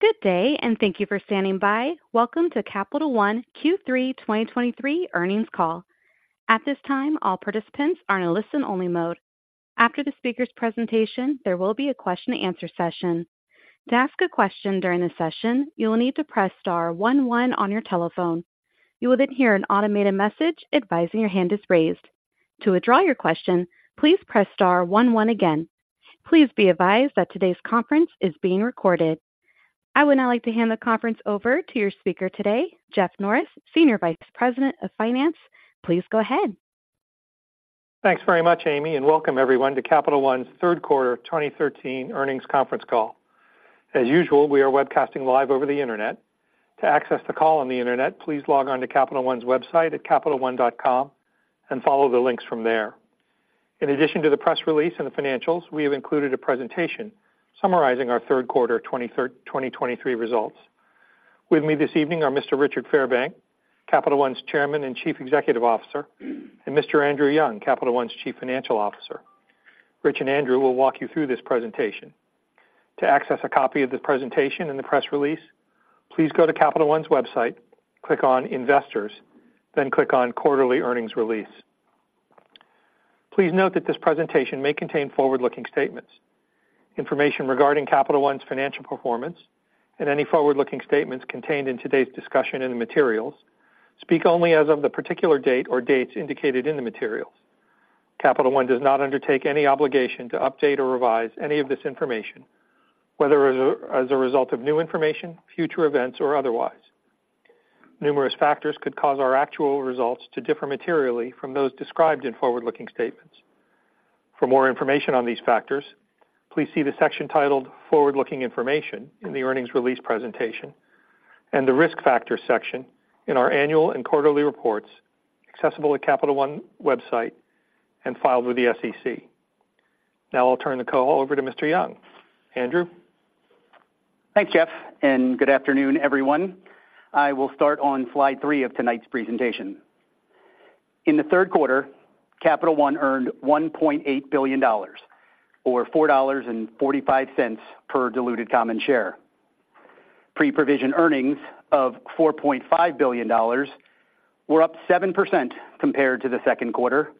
Good day, and thank you for standing by. Welcome to Capital One Q3 2023 earnings call. At this time, all participants are in a listen-only mode. After the speaker's presentation, there will be a question-and-answer session. To ask a question during the session, you will need to press star one one on your telephone. You will then hear an automated message advising your hand is raised. To withdraw your question, please press star one one again. Please be advised that today's conference is being recorded. I would now like to hand the conference over to your speaker today, Jeff Norris, Senior Vice President of Finance. Please go ahead. Thanks very much, Amy, and welcome everyone to Capital One's third quarter 2013 earnings conference call. As usual, we are webcasting live over the internet. To access the call on the internet, please log on to Capital One's website at capitalone.com and follow the links from there. In addition to the press release and the financials, we have included a presentation summarizing our third quarter 2023 results. With me this evening are Mr. Richard Fairbank, Capital One's Chairman and Chief Executive Officer, and Mr. Andrew Young, Capital One's Chief Financial Officer. Rich and Andrew will walk you through this presentation. To access a copy of this presentation and the press release, please go to Capital One's website, click on Investors, then click on Quarterly Earnings Release. Please note that this presentation may contain forward-looking statements. Information regarding Capital One's financial performance and any forward-looking statements contained in today's discussion and the materials speak only as of the particular date or dates indicated in the materials. Capital One does not undertake any obligation to update or revise any of this information, whether as a result of new information, future events, or otherwise. Numerous factors could cause our actual results to differ materially from those described in forward-looking statements. For more information on these factors, please see the section titled Forward-Looking Information in the Earnings Release presentation and the Risk Factors section in our annual and quarterly reports, accessible at Capital One's website and filed with the SEC. Now I'll turn the call over to Mr. Young. Andrew? Thanks, Jeff, and good afternoon, everyone. I will start on slide 3 of tonight's presentation. In the third quarter, Capital One earned $1.8 billion or $4.45 per diluted common share. Pre-provision earnings of $4.5 billion were up 7% compared to the second quarter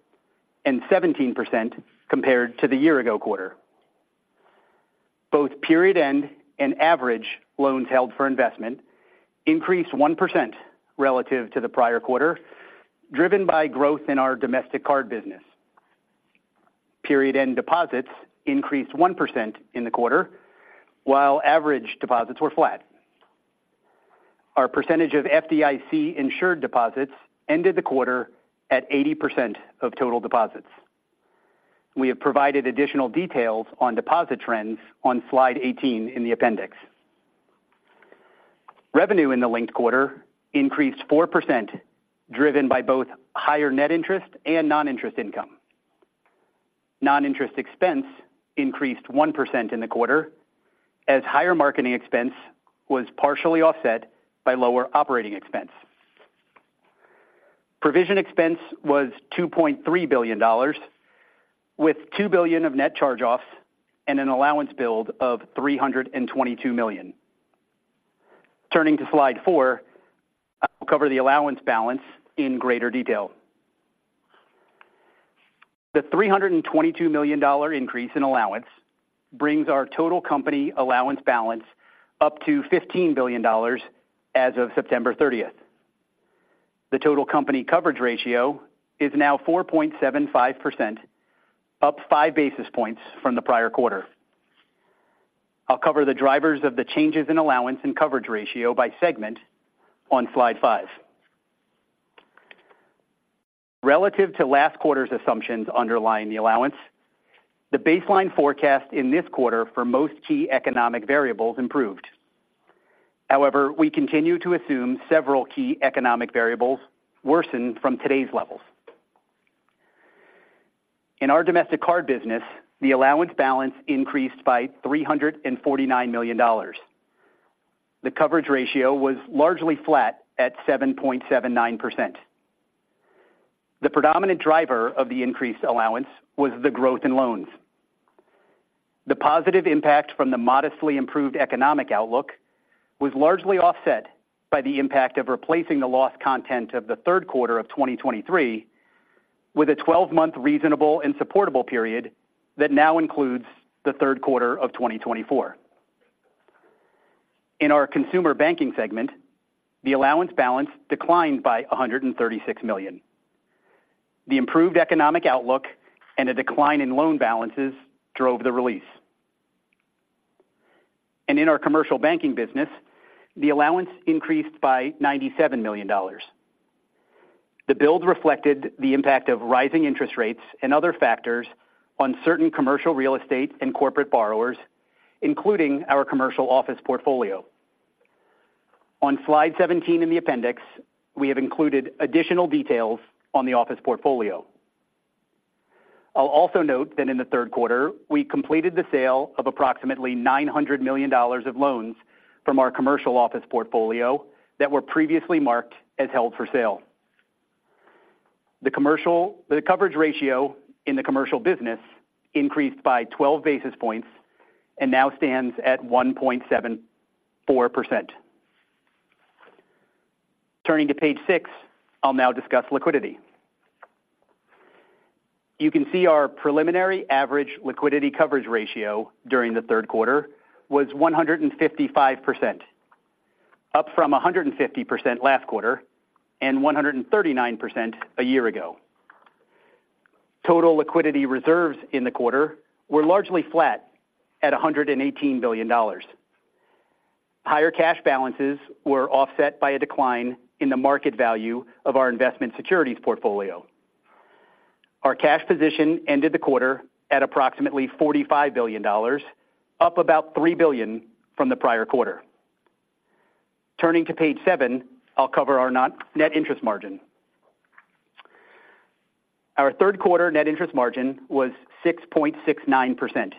and 17% compared to the year-ago quarter. Both period-end and average loans held for investment increased 1% relative to the prior quarter, driven by growth in our domestic card business. Period-end deposits increased 1% in the quarter, while average deposits were flat. Our percentage of FDIC-insured deposits ended the quarter at 80% of total deposits. We have provided additional details on deposit trends on slide 18 in the appendix. Revenue in the linked quarter increased 4%, driven by both higher net interest and non-interest income. Non-interest expense increased 1% in the quarter as higher marketing expense was partially offset by lower operating expense. Provision expense was $2.3 billion, with $2 billion of net charge-offs and an allowance build of $322 million. Turning to slide four, I will cover the allowance balance in greater detail. The $322 million dollar increase in allowance brings our total company allowance balance up to $15 billion as of September thirtieth. The total company coverage ratio is now 4.75%, up five basis points from the prior quarter. I'll cover the drivers of the changes in allowance and coverage ratio by segment on slide five. Relative to last quarter's assumptions underlying the allowance, the baseline forecast in this quarter for most key economic variables improved. However, we continue to assume several key economic variables worsened from today's levels. In our domestic card business, the allowance balance increased by $349 million. The coverage ratio was largely flat at 7.79%. The predominant driver of the increased allowance was the growth in loans. The positive impact from the modestly improved economic outlook was largely offset by the impact of replacing the loss content of the third quarter of 2023 with a 12-month reasonable and supportable period that now includes the third quarter of 2024. In our consumer banking segment, the allowance balance declined by $136 million. The improved economic outlook and a decline in loan balances drove the release. And in our commercial banking business, the allowance increased by $97 million. The build reflected the impact of rising interest rates and other factors on certain commercial real estate and corporate borrowers, including our commercial office portfolio. On slide 17 in the appendix, we have included additional details on the office portfolio. I'll also note that in the third quarter, we completed the sale of approximately $900 million of loans from our commercial office portfolio that were previously marked as held for sale. The commercial, the coverage ratio in the commercial business increased by 12 basis points and now stands at 1.74%. Turning to page 6, I'll now discuss liquidity. You can see our preliminary average liquidity coverage ratio during the third quarter was 155%, up from 150% last quarter and 139% a year ago. Total liquidity reserves in the quarter were largely flat at $118 billion. Higher cash balances were offset by a decline in the market value of our investment securities portfolio. Our cash position ended the quarter at approximately $45 billion, up about $3 billion from the prior quarter. Turning to page 7, I'll cover our net interest margin. Our third quarter net interest margin was 6.69%,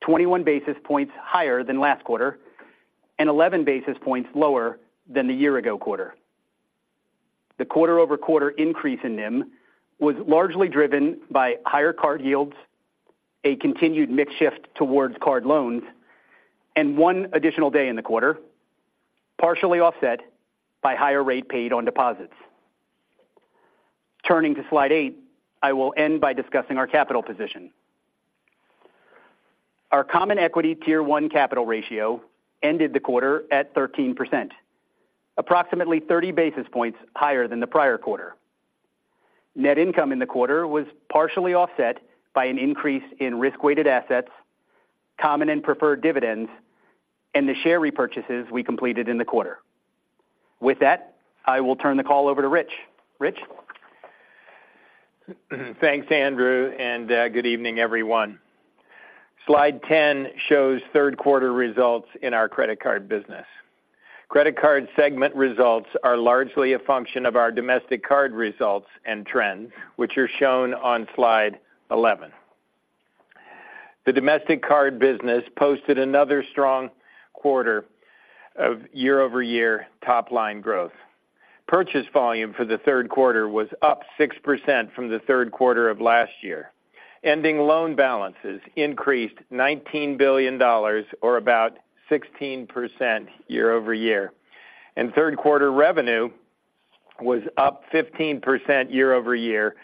21 basis points higher than last quarter and 11 basis points lower than the year-ago quarter. The quarter-over-quarter increase in NIM was largely driven by higher card yields, a continued mix shift towards card loans, and one additional day in the quarter, partially offset by higher rate paid on deposits. Turning to slide 8, I will end by discussing our capital position. Our Common Equity Tier 1 capital ratio ended the quarter at 13%, approximately 30 basis points higher than the prior quarter. Net income in the quarter was partially offset by an increase in risk-weighted assets, common and preferred dividends, and the share repurchases we completed in the quarter. With that, I will turn the call over to Rich. Rich? Thanks, Andrew, and good evening, everyone. Slide 10 shows third quarter results in our credit card business. Credit card segment results are largely a function of our domestic card results and trends, which are shown on slide 11. The domestic card business posted another strong quarter of year-over-year top-line growth. Purchase volume for the third quarter was up 6% from the third quarter of last year. Ending loan balances increased $19 billion or about 16% year-over-year, and third quarter revenue was up 15% year-over-year,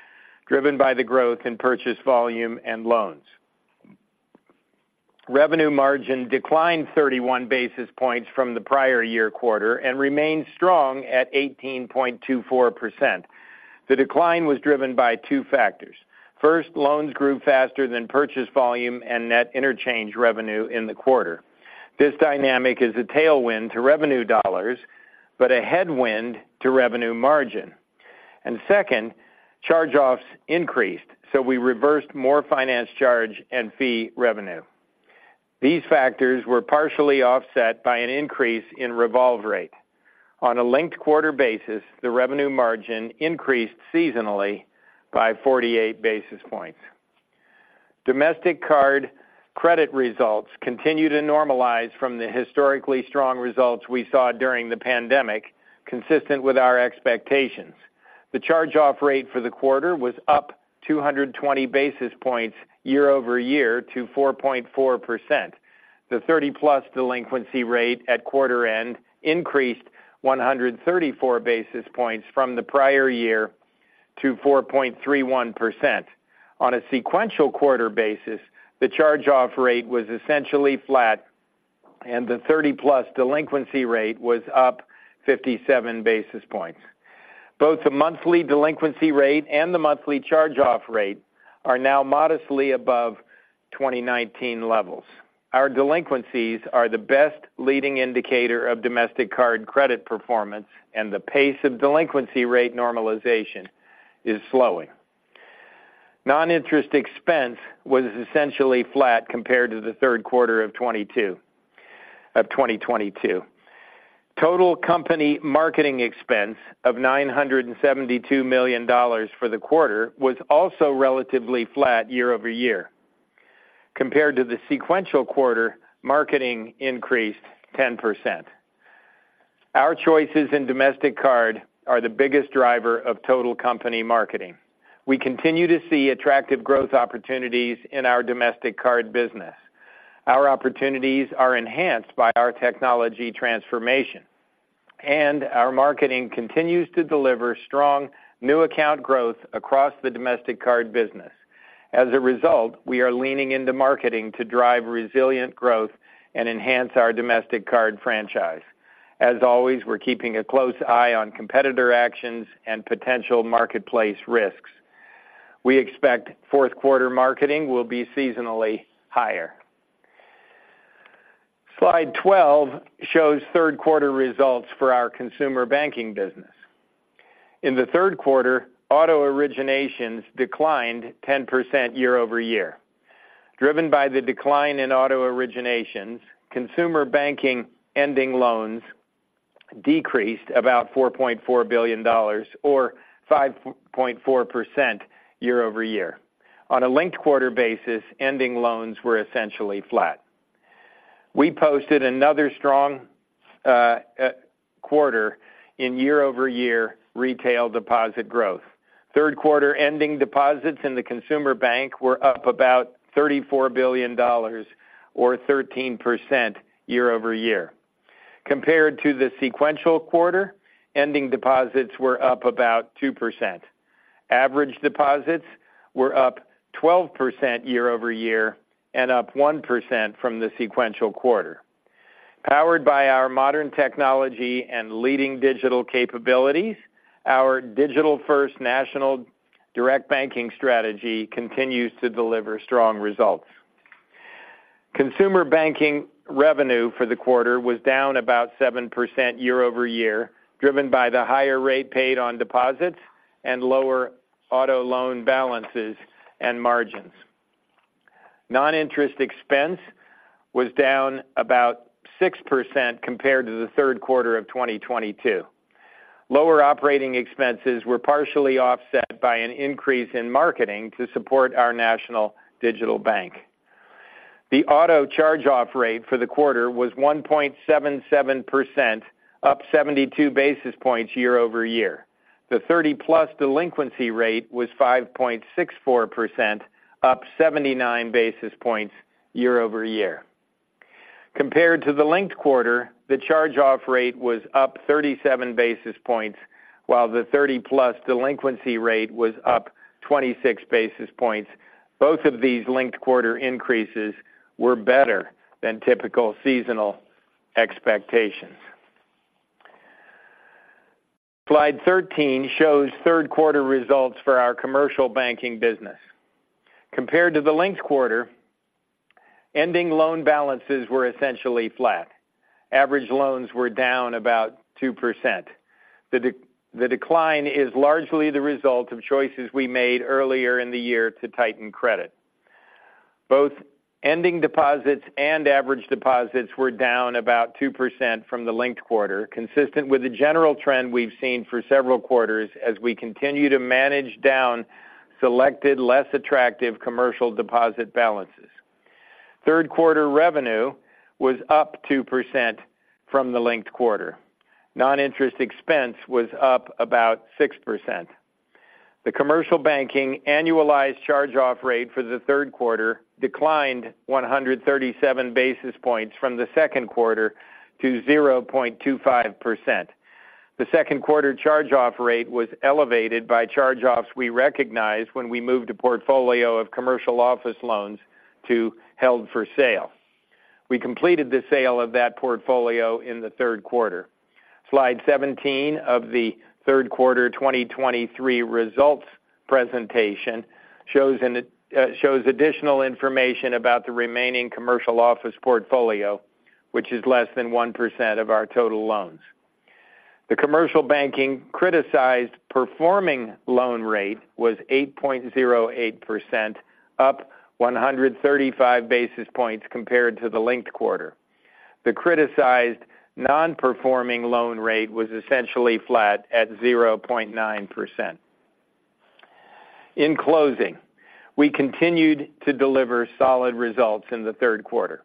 driven by the growth in purchase volume and loans. Revenue margin declined 31 basis points from the prior year quarter and remained strong at 18.24%. The decline was driven by two factors. First, loans grew faster than purchase volume and net interchange revenue in the quarter. This dynamic is a tailwind to revenue dollars, but a headwind to revenue margin. And second, charge-offs increased, so we reversed more finance charge and fee revenue. These factors were partially offset by an increase in revolve rate. On a linked quarter basis, the revenue margin increased seasonally by 48 basis points. Domestic card credit results continue to normalize from the historically strong results we saw during the pandemic, consistent with our expectations. The charge-off rate for the quarter was up 220 basis points year-over-year to 4.4%. The thirty-plus delinquency rate at quarter end increased 134 basis points from the prior year to 4.31%. On a sequential quarter basis, the charge-off rate was essentially flat, and the thirty-plus delinquency rate was up 57 basis points. Both the monthly delinquency rate and the monthly charge-off rate are now modestly above 2019 levels. Our delinquencies are the best leading indicator of domestic card credit performance, and the pace of delinquency rate normalization is slowing. Non-interest expense was essentially flat compared to the third quarter of 2022. Total company marketing expense of $972 million for the quarter was also relatively flat year-over-year. Compared to the sequential quarter, marketing increased 10%. Our choices in domestic card are the biggest driver of total company marketing. We continue to see attractive growth opportunities in our domestic card business. Our opportunities are enhanced by our technology transformation, and our marketing continues to deliver strong new account growth across the domestic card business. As a result, we are leaning into marketing to drive resilient growth and enhance our domestic card franchise. As always, we're keeping a close eye on competitor actions and potential marketplace risks. We expect fourth quarter marketing will be seasonally higher. Slide 12 shows third quarter results for our consumer banking business. In the third quarter, auto originations declined 10% year-over-year. Driven by the decline in auto originations, consumer banking ending loans decreased about $4.4 billion or 5.4% year-over-year. On a linked quarter basis, ending loans were essentially flat. We posted another strong quarter in year-over-year retail deposit growth. Third quarter ending deposits in the consumer bank were up about $34 billion or 13% year-over-year. Compared to the sequential quarter, ending deposits were up about 2%. Average deposits were up 12% year-over-year and up 1% from the sequential quarter. Powered by our modern technology and leading digital capabilities, our digital-first national direct banking strategy continues to deliver strong results. Consumer banking revenue for the quarter was down about 7% year-over-year, driven by the higher rate paid on deposits and lower auto loan balances and margins. Non-interest expense was down about 6% compared to the third quarter of 2022. Lower operating expenses were partially offset by an increase in marketing to support our national digital bank. The auto charge-off rate for the quarter was 1.77%, up 72 basis points year-over-year. The thirty-plus delinquency rate was 5.64%, up 79 basis points year-over-year. Compared to the linked quarter, the charge-off rate was up 37 basis points, while the thirty-plus delinquency rate was up 26 basis points. Both of these linked quarter increases were better than typical seasonal expectations. Slide 13 shows third quarter results for our commercial banking business. Compared to the linked quarter, ending loan balances were essentially flat. Average loans were down about 2%. The decline is largely the result of choices we made earlier in the year to tighten credit. Both ending deposits and average deposits were down about 2% from the linked quarter, consistent with the general trend we've seen for several quarters as we continue to manage down selected, less attractive commercial deposit balances. Third quarter revenue was up 2% from the linked quarter. Non-interest expense was up about 6%. The commercial banking annualized charge-off rate for the third quarter declined 137 basis points from the second quarter to 0.25%. The second quarter charge-off rate was elevated by charge-offs we recognized when we moved a portfolio of commercial office loans to held for sale. We completed the sale of that portfolio in the third quarter. Slide 17 of the third quarter 2023 results presentation shows additional information about the remaining commercial office portfolio, which is less than 1% of our total loans. The commercial banking criticized performing loan rate was 8.08%, up 135 basis points compared to the linked quarter. The criticized non-performing loan rate was essentially flat at 0.9%. In closing, we continued to deliver solid results in the third quarter.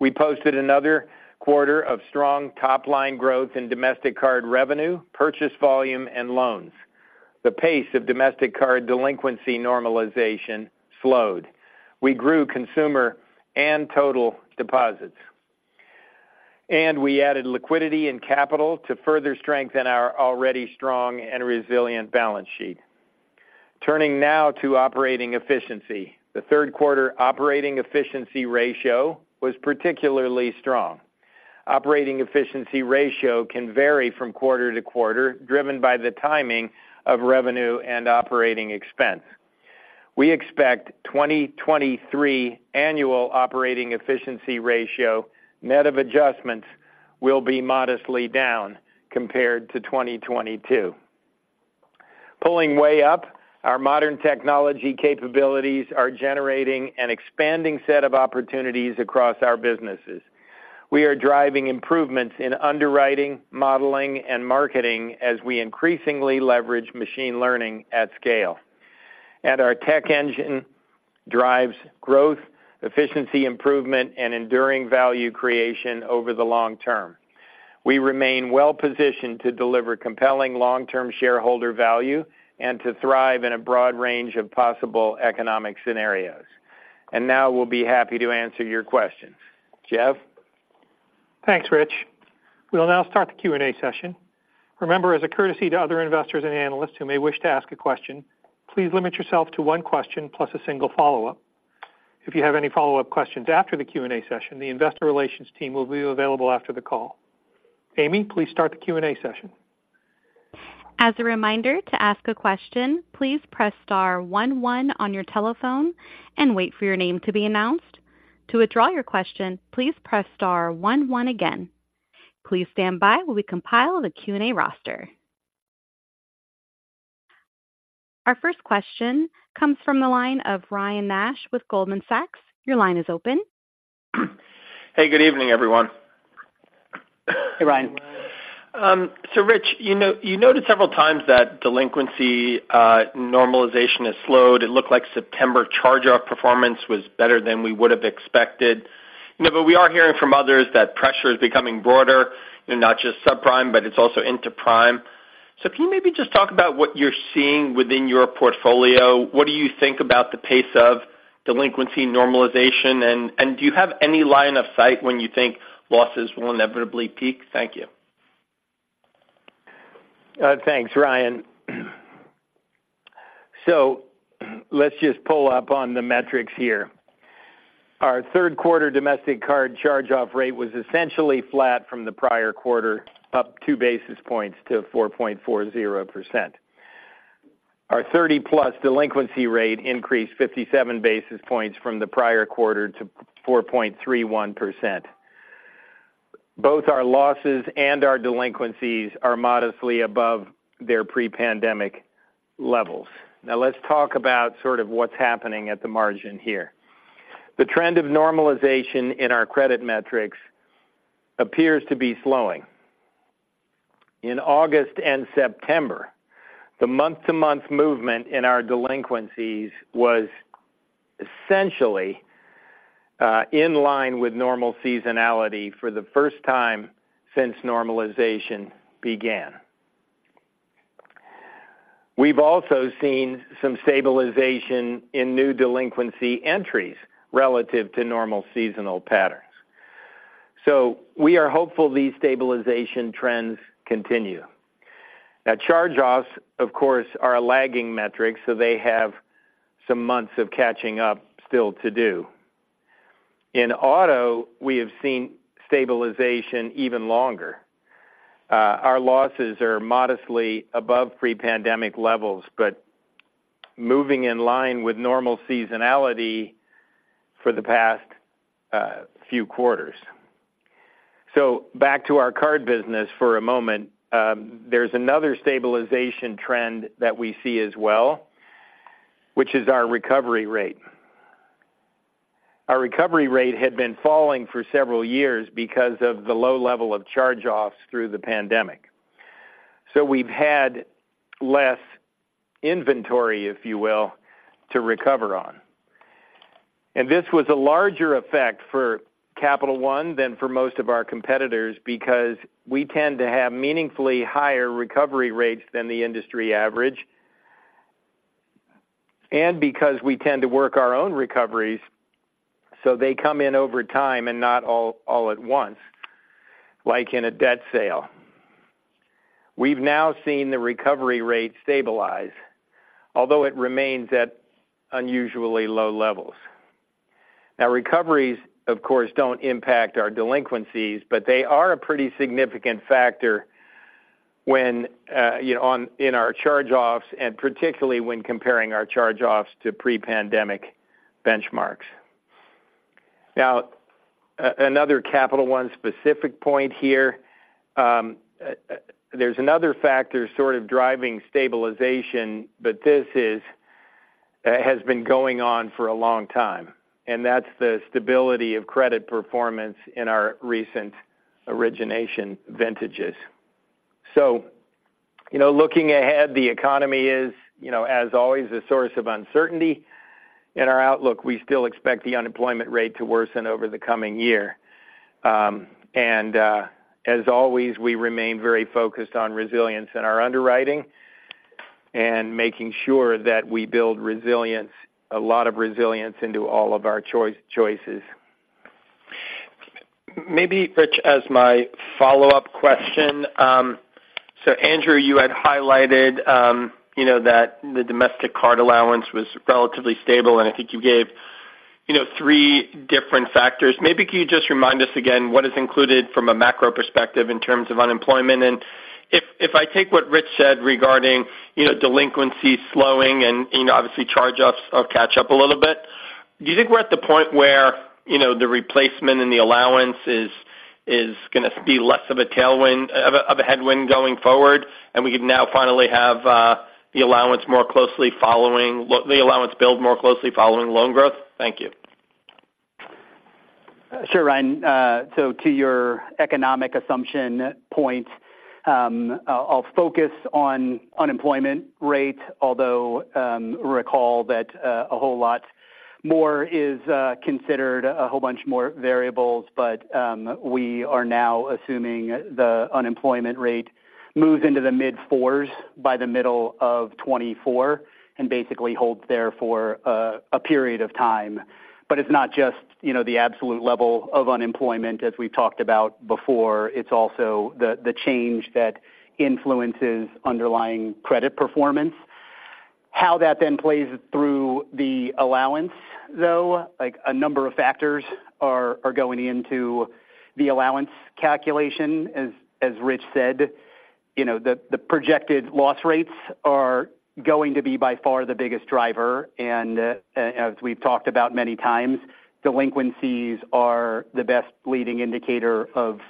We posted another quarter of strong top-line growth in domestic card revenue, purchase volume, and loans. The pace of domestic card delinquency normalization slowed. We grew consumer and total deposits, and we added liquidity and capital to further strengthen our already strong and resilient balance sheet. Turning now to operating efficiency. The third quarter operating efficiency ratio was particularly strong. Operating efficiency ratio can vary from quarter to quarter, driven by the timing of revenue and operating expense. We expect 2023 annual operating efficiency ratio, net of adjustments, will be modestly down compared to 2022. Pulling way up, our modern technology capabilities are generating an expanding set of opportunities across our businesses. We are driving improvements in underwriting, modeling, and marketing as we increasingly leverage machine learning at scale. Our tech engine drives growth, efficiency improvement, and enduring value creation over the long term. We remain well-positioned to deliver compelling long-term shareholder value and to thrive in a broad range of possible economic scenarios. Now we'll be happy to answer your questions. Jeff? Thanks, Rich. We'll now start the Q&A session. Remember, as a courtesy to other investors and analysts who may wish to ask a question, please limit yourself to one question plus a single follow-up. If you have any follow-up questions after the Q&A session, the investor relations team will be available after the call. Amy, please start the Q&A session. As a reminder, to ask a question, please press star one one on your telephone and wait for your name to be announced. To withdraw your question, please press star one one again. Please stand by while we compile the Q&A roster. Our first question comes from the line of Ryan Nash with Goldman Sachs. Your line is open. Hey, good evening, everyone.. Hey, Ryan. So Rich, you noted several times that delinquency normalization has slowed. It looked like September charge-off performance was better than we would have expected. You know, but we are hearing from others that pressure is becoming broader, and not just subprime, but it's also into prime. So can you maybe just talk about what you're seeing within your portfolio? What do you think about the pace of delinquency normalization? And do you have any line of sight when you think losses will inevitably peak? Thank you. Thanks, Ryan. So let's just pull up on the metrics here. Our third quarter domestic card charge-off rate was essentially flat from the prior quarter, up 2 basis points to 4.40%. Our 30-plus delinquency rate increased 57 basis points from the prior quarter to 4.31%. Both our losses and our delinquencies are modestly above their pre-pandemic levels. Now, let's talk about sort of what's happening at the margin here. The trend of normalization in our credit metrics appears to be slowing. In August and September, the month-to-month movement in our delinquencies was essentially in line with normal seasonality for the first time since normalization began. We've also seen some stabilization in new delinquency entries relative to normal seasonal patterns. So we are hopeful these stabilization trends continue. Now, charge-offs, of course, are a lagging metric, so they have some months of catching up still to do. In auto, we have seen stabilization even longer. Our losses are modestly above pre-pandemic levels, but moving in line with normal seasonality for the past few quarters. So back to our card business for a moment. There's another stabilization trend that we see as well, which is our recovery rate. Our recovery rate had been falling for several years because of the low level of charge-offs through the pandemic, so we've had less inventory, if you will, to recover on. And this was a larger effect for Capital One than for most of our competitors because we tend to have meaningfully higher recovery rates than the industry average, and because we tend to work our own recoveries, so they come in over time and not all, all at once, like in a debt sale. We've now seen the recovery rate stabilize, although it remains at unusually low levels. Now, recoveries, of course, don't impact our delinquencies, but they are a pretty significant factor when, you know, in our charge-offs, and particularly when comparing our charge-offs to pre-pandemic benchmarks. Now, another Capital One specific point here. There's another factor sort of driving stabilization, but this has been going on for a long time, and that's the stability of credit performance in our recent origination vintages. You know, looking ahead, the economy is, you know, as always, a source of uncertainty. In our outlook, we still expect the unemployment rate to worsen over the coming year. As always, we remain very focused on resilience in our underwriting and making sure that we build resilience, a lot of resilience into all of our choices. Maybe, Rich, as my follow-up question. Andrew, you had highlighted, you know, that the domestic card allowance was relatively stable, and I think you gave, you know, three different factors. Maybe can you just remind us again what is included from a macro perspective in terms of unemployment? If I take what Rich said regarding, you know, delinquency slowing and, you know, obviously charge-offs will catch up a little bit, do you think we're at the point where, you know, the replacement and the allowance is, is gonna be less of a tailwind—of a, of a headwind going forward, and we can now finally have, you know, the allowance more closely following. The allowance build more closely following loan growth? Thank you. Sure, Ryan. So to your economic assumption point, I'll, I'll focus on unemployment rate, although recall that a whole lot more is considered, a whole bunch more variables. But we are now assuming the unemployment rate moves into the mid-fours by the middle of 2024 and basically holds there for a period of time. But it's not just, you know, the absolute level of unemployment, as we've talked about before. It's also the change that influences underlying credit performance. How that then plays through the allowance, though, like, a number of factors are going into the allowance calculation, as Rich said. You know, the projected loss rates are going to be by far the biggest driver, and as we've talked about many times, delinquencies are the best leading indicator of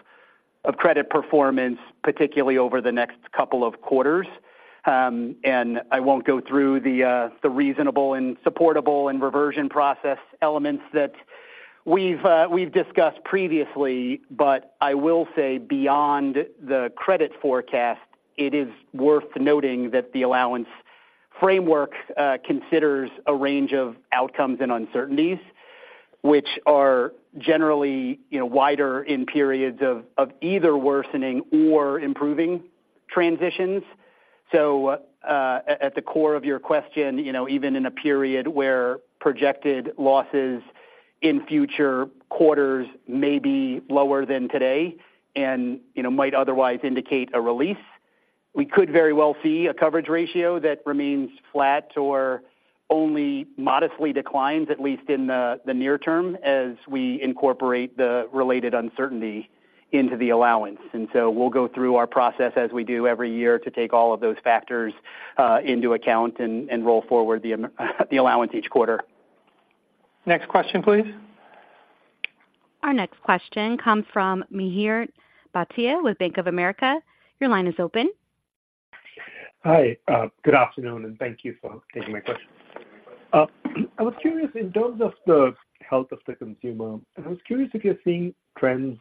credit performance, particularly over the next couple of quarters. And I won't go through the reasonable and supportable and reversion process elements that we've discussed previously. But I will say beyond the credit forecast, it is worth noting that the allowance framework considers a range of outcomes and uncertainties, which are generally, you know, wider in periods of either worsening or improving transitions. So, at the core of your question, you know, even in a period where projected losses in future quarters may be lower than today, and, you know, might otherwise indicate a release, we could very well see a coverage ratio that remains flat or only modestly declines, at least in the near term, as we incorporate the related uncertainty into the allowance. And so we'll go through our process as we do every year, to take all of those factors into account and roll forward the allowance each quarter. Next question, please. Our next question comes from Mihir Bhatia with Bank of America. Your line is open. Hi, good afternoon, and thank you for taking my question. I was curious in terms of the health of the consumer, and I was curious if you're seeing trends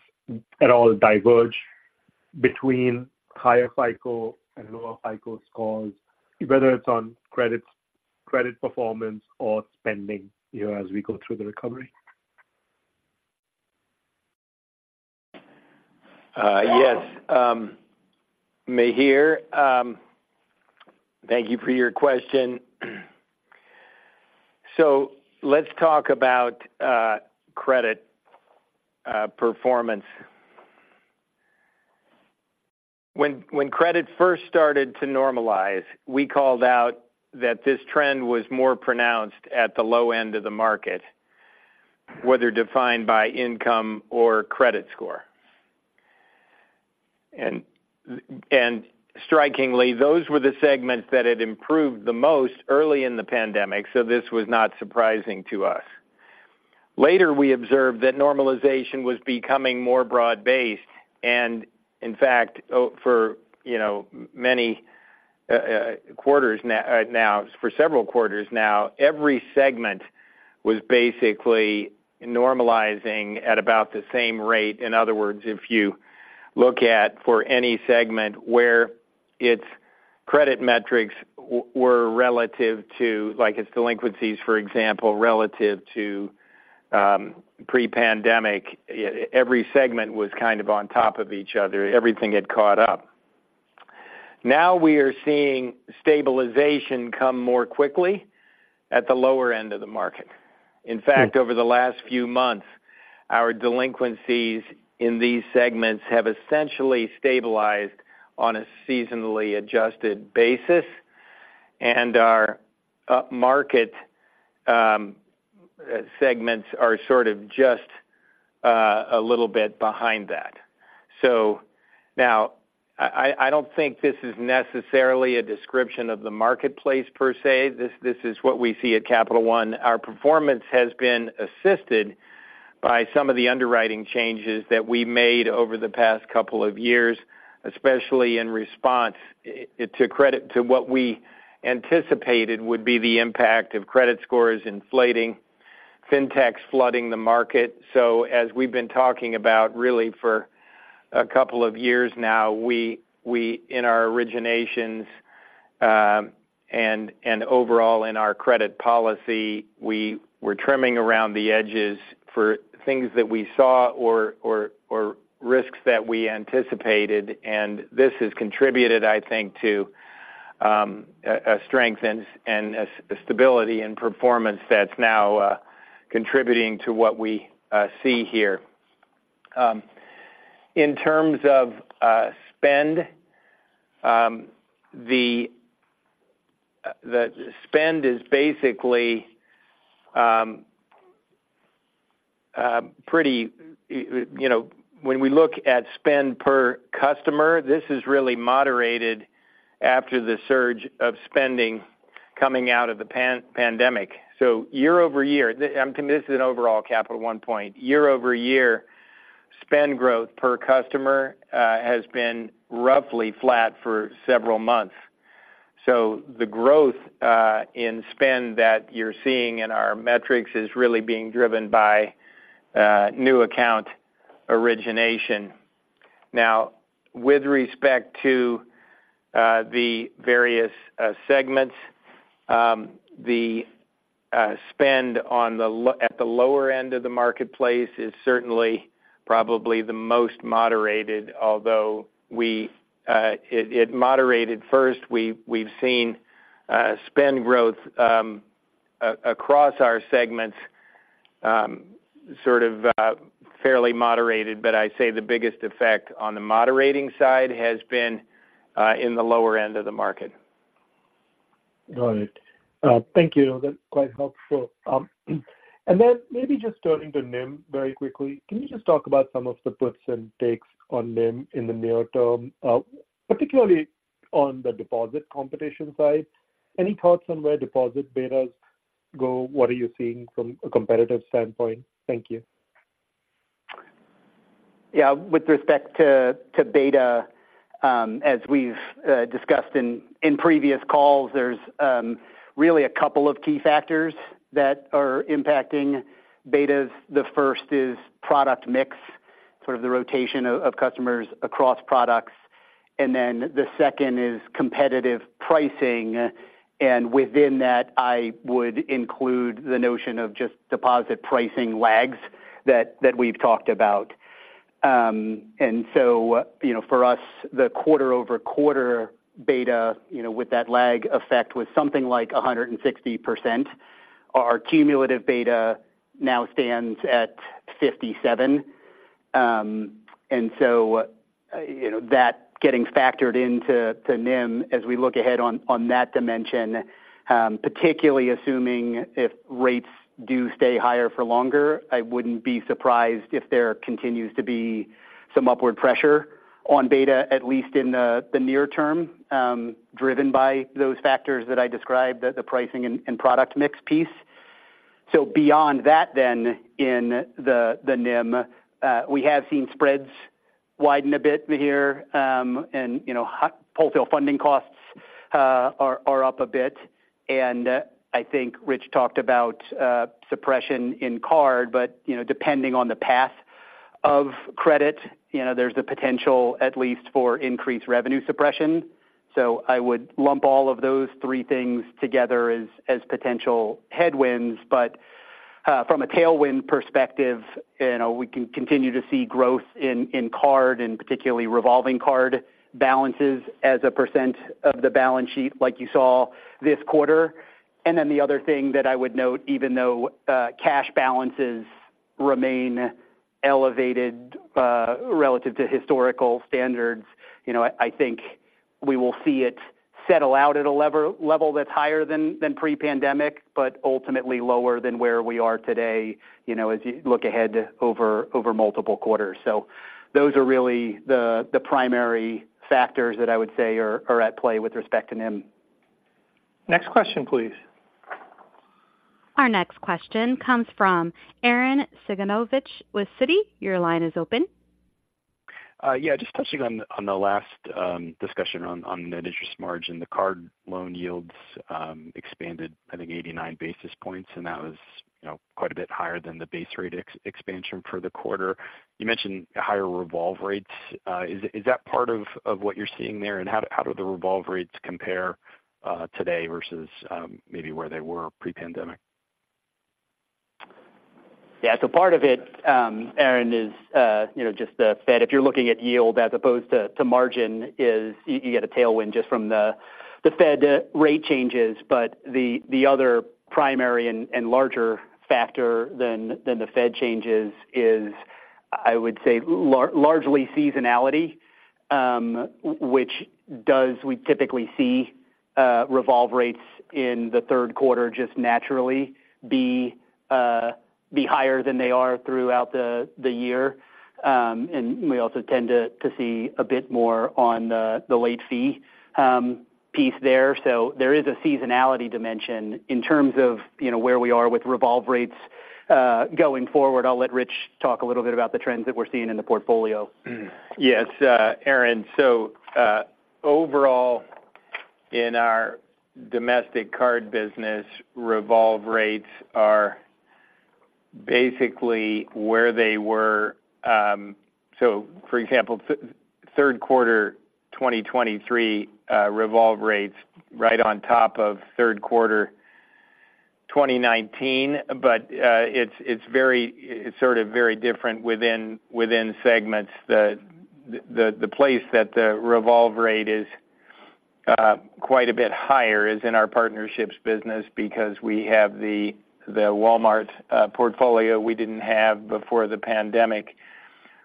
at all diverge between higher FICO and lower FICO scores, whether it's on credit, credit performance or spending, you know, as we go through the recovery? Yes, Mihir, thank you for your question. So let's talk about credit performance. When credit first started to normalize, we called out that this trend was more pronounced at the low end of the market, whether defined by income or credit score. And strikingly, those were the segments that had improved the most early in the pandemic, so this was not surprising to us. Later, we observed that normalization was becoming more broad-based, and in fact, for several quarters now, every segment was basically normalizing at about the same rate. In other words, if you look at, for any segment where its credit metrics were relative to, like, its delinquencies, for example, relative to pre-pandemic, every segment was kind of on top of each other. Everything had caught up. Now, we are seeing stabilization come more quickly at the lower end of the market. In fact, over the last few months, our delinquencies in these segments have essentially stabilized on a seasonally adjusted basis, and our market segments are sort of just a little bit behind that. So now, I don't think this is necessarily a description of the marketplace per se. This is what we see at Capital One. Our performance has been assisted by some of the underwriting changes that we made over the past couple of years, especially in response to credit, to what we anticipated would be the impact of credit scores inflating, fintechs flooding the market. As we've been talking about really for a couple of years now, we, in our originations, and overall in our credit policy, we were trimming around the edges for things that we saw or risks that we anticipated, and this has contributed, I think, to a strength and stability in performance that's now contributing to what we see here. In terms of spend, the spend is basically, you know. When we look at spend per customer, this has really moderated after the surge of spending coming out of the pandemic. Year over year, this is an overall Capital One point. Year over year, spend growth per customer has been roughly flat for several months. So the growth in spend that you're seeing in our metrics is really being driven by new account origination. Now, with respect to the various segments, the spend at the lower end of the marketplace is certainly probably the most moderated, although it moderated first. We've seen spend growth across our segments sort of fairly moderated, but I'd say the biggest effect on the moderating side has been in the lower end of the market. Got it. Thank you. That's quite helpful. And then maybe just turning to NIM very quickly, can you just talk about some of the puts and takes on NIM in the near term, particularly on the deposit competition side? Any thoughts on where deposit betas go? What are you seeing from a competitive standpoint? Thank you. Yeah, with respect to beta, as we've discussed in previous calls, there's really a couple of key factors that are impacting betas. The first is product mix, sort of the rotation of customers across products, and then the second is competitive pricing. And within that, I would include the notion of just deposit pricing lags that we've talked about. And so, you know, for us, the quarter-over-quarter beta, you know, with that lag effect was something like 160%. Our cumulative beta now stands at 57. And so, you know, that getting factored into the NIM as we look ahead on that dimension, particularly assuming if rates do stay higher for longer, I wouldn't be surprised if there continues to be some upward pressure on beta, at least in the near term, driven by those factors that I described, the pricing and product mix piece. So beyond that then, in the NIM, we have seen spreads widen a bit here, and, you know, wholesale funding costs are up a bit. And I think Rich talked about suppression in card, but, you know, depending on the path of credit, you know, there's the potential at least for increased revenue suppression. So I would lump all of those three things together as potential headwinds. But from a tailwind perspective, you know, we can continue to see growth in card, and particularly revolving card balances as a percent of the balance sheet, like you saw this quarter. And then the other thing that I would note, even though cash balances remain elevated relative to historical standards, you know, I think we will see it settle out at a level that's higher than pre-pandemic, but ultimately lower than where we are today, you know, as you look ahead over multiple quarters. So those are really the primary factors that I would say are at play with respect to NIM. Next question, please. Our next question comes from Arren Cyganovich with Citi. Your line is open. Yeah, just touching on the last discussion on the interest margin. The card loan yields expanded, I think, 89 basis points, and that was, you know, quite a bit higher than the base rate expansion for the quarter. You mentioned higher revolve rates. Is that part of what you're seeing there? And how do the revolve rates compare today versus maybe where they were pre-pandemic? Yeah. So part of it, Arren is, you know, just the Fed. If you're looking at yield as opposed to margin, is you get a tailwind just from the Fed rate changes. But the other primary and larger factor than the Fed changes is, I would say, largely seasonality, which we typically see revolve rates in the third quarter just naturally be higher than they are throughout the year. And we also tend to see a bit more on the late fee piece there. So there is a seasonality dimension. In terms of, you know, where we are with revolve rates going forward, I'll let Rich talk a little bit about the trends that we're seeing in the portfolio. Yes, Arren. So, overall, in our domestic card business, revolve rates are basically where they were. So, for example, third quarter 2023, revolve rates right on top of third quarter 2019, but it's very different within segments. The place that the revolve rate is quite a bit higher is in our partnerships business because we have the Walmart portfolio we didn't have before the pandemic.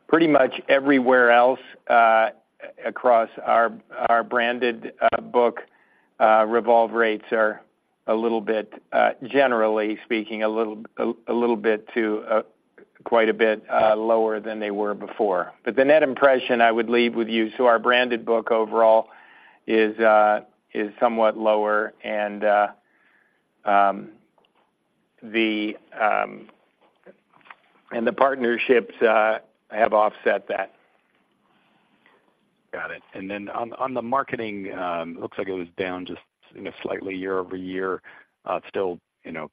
Pretty much everywhere else, across our branded book, revolve rates are a little bit, generally speaking, a little bit to quite a bit lower than they were before. But the net impression I would leave with you, so our branded book overall is somewhat lower, and the partnerships have offset that. Got it. And then on the marketing, it looks like it was down just, you know, slightly year-over-year. Still, you know,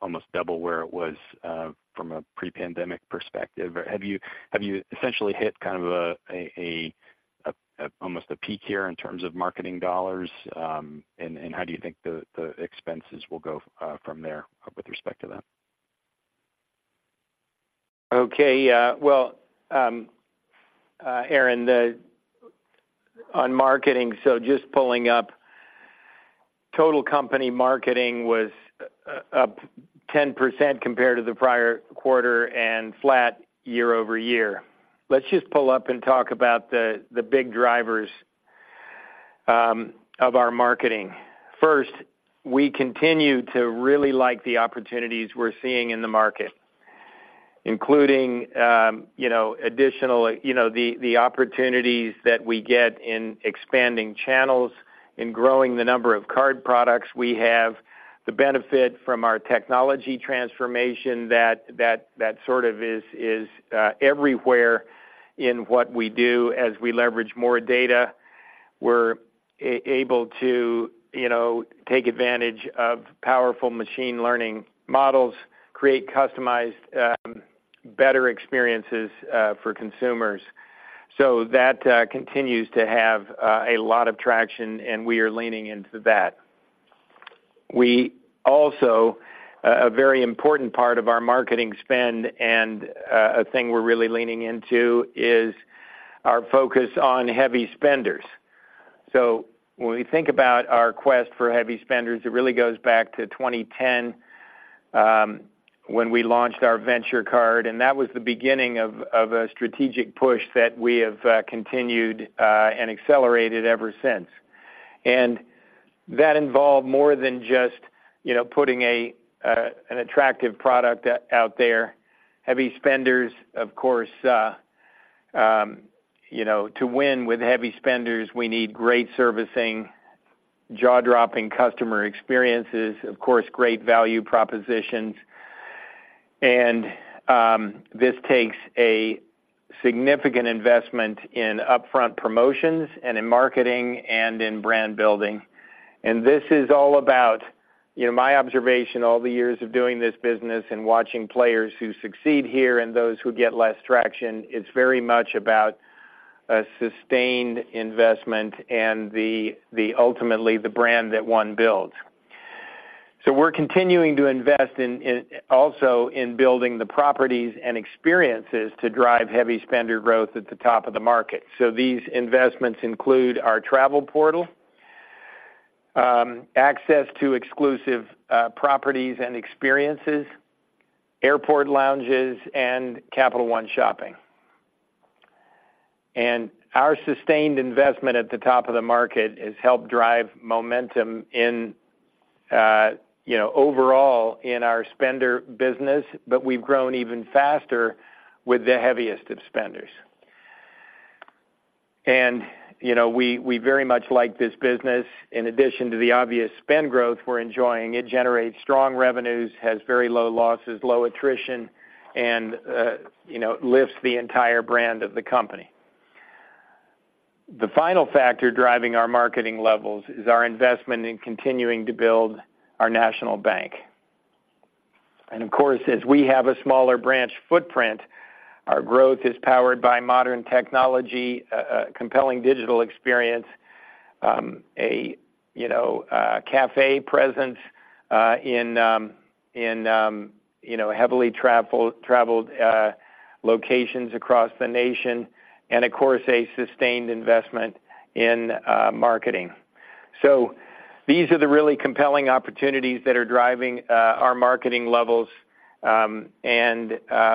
almost double where it was from a pre-pandemic perspective. Have you essentially hit kind of almost a peak here in terms of marketing dollars? And how do you think the expenses will go from there with respect to that? Okay. Yeah. Well, Aaron, on marketing, just pulling up, total company marketing was up 10% compared to the prior quarter and flat year-over-year. Let's just pull up and talk about the big drivers of our marketing. First, we continue to really like the opportunities we're seeing in the market, including, you know, additional, you know, the opportunities that we get in expanding channels, in growing the number of card products. We have the benefit from our technology transformation that sort of is everywhere in what we do as we leverage more data. We're able to, you know, take advantage of powerful machine learning models, create customized, better experiences for consumers. That continues to have a lot of traction, and we are leaning into that. We also, a very important part of our marketing spend and, a thing we're really leaning into, is our focus on heavy spenders. So when we think about our quest for heavy spenders, it really goes back to 2010, when we launched our Venture card, and that was the beginning of a strategic push that we have continued and accelerated ever since. And that involved more than just, you know, putting a an attractive product out there. Heavy spenders, of course, you know, to win with heavy spenders, we need great servicing, jaw-dropping customer experiences, of course, great value propositions. And this takes a significant investment in upfront promotions, and in marketing, and in brand building. This is all about, you know, my observation, all the years of doing this business and watching players who succeed here and those who get less traction, it's very much about a sustained investment and, ultimately, the brand that one builds. We're continuing to invest in, also in building the properties and experiences to drive heavy spender growth at the top of the market. These investments include our travel portal, access to exclusive properties and experiences, airport lounges, and Capital One Shopping. Our sustained investment at the top of the market has helped drive momentum in, you know, overall in our spender business, but we've grown even faster with the heaviest of spenders. You know, we very much like this business. In addition to the obvious spend growth we're enjoying, it generates strong revenues, has very low losses, low attrition, and, you know, lifts the entire brand of the company. The final factor driving our marketing levels is our investment in continuing to build our national bank. And of course, as we have a smaller branch footprint, our growth is powered by modern technology, compelling digital experience, a cafe presence in you know heavily traveled locations across the nation, and of course, a sustained investment in marketing. So these are the really compelling opportunities that are driving our marketing levels.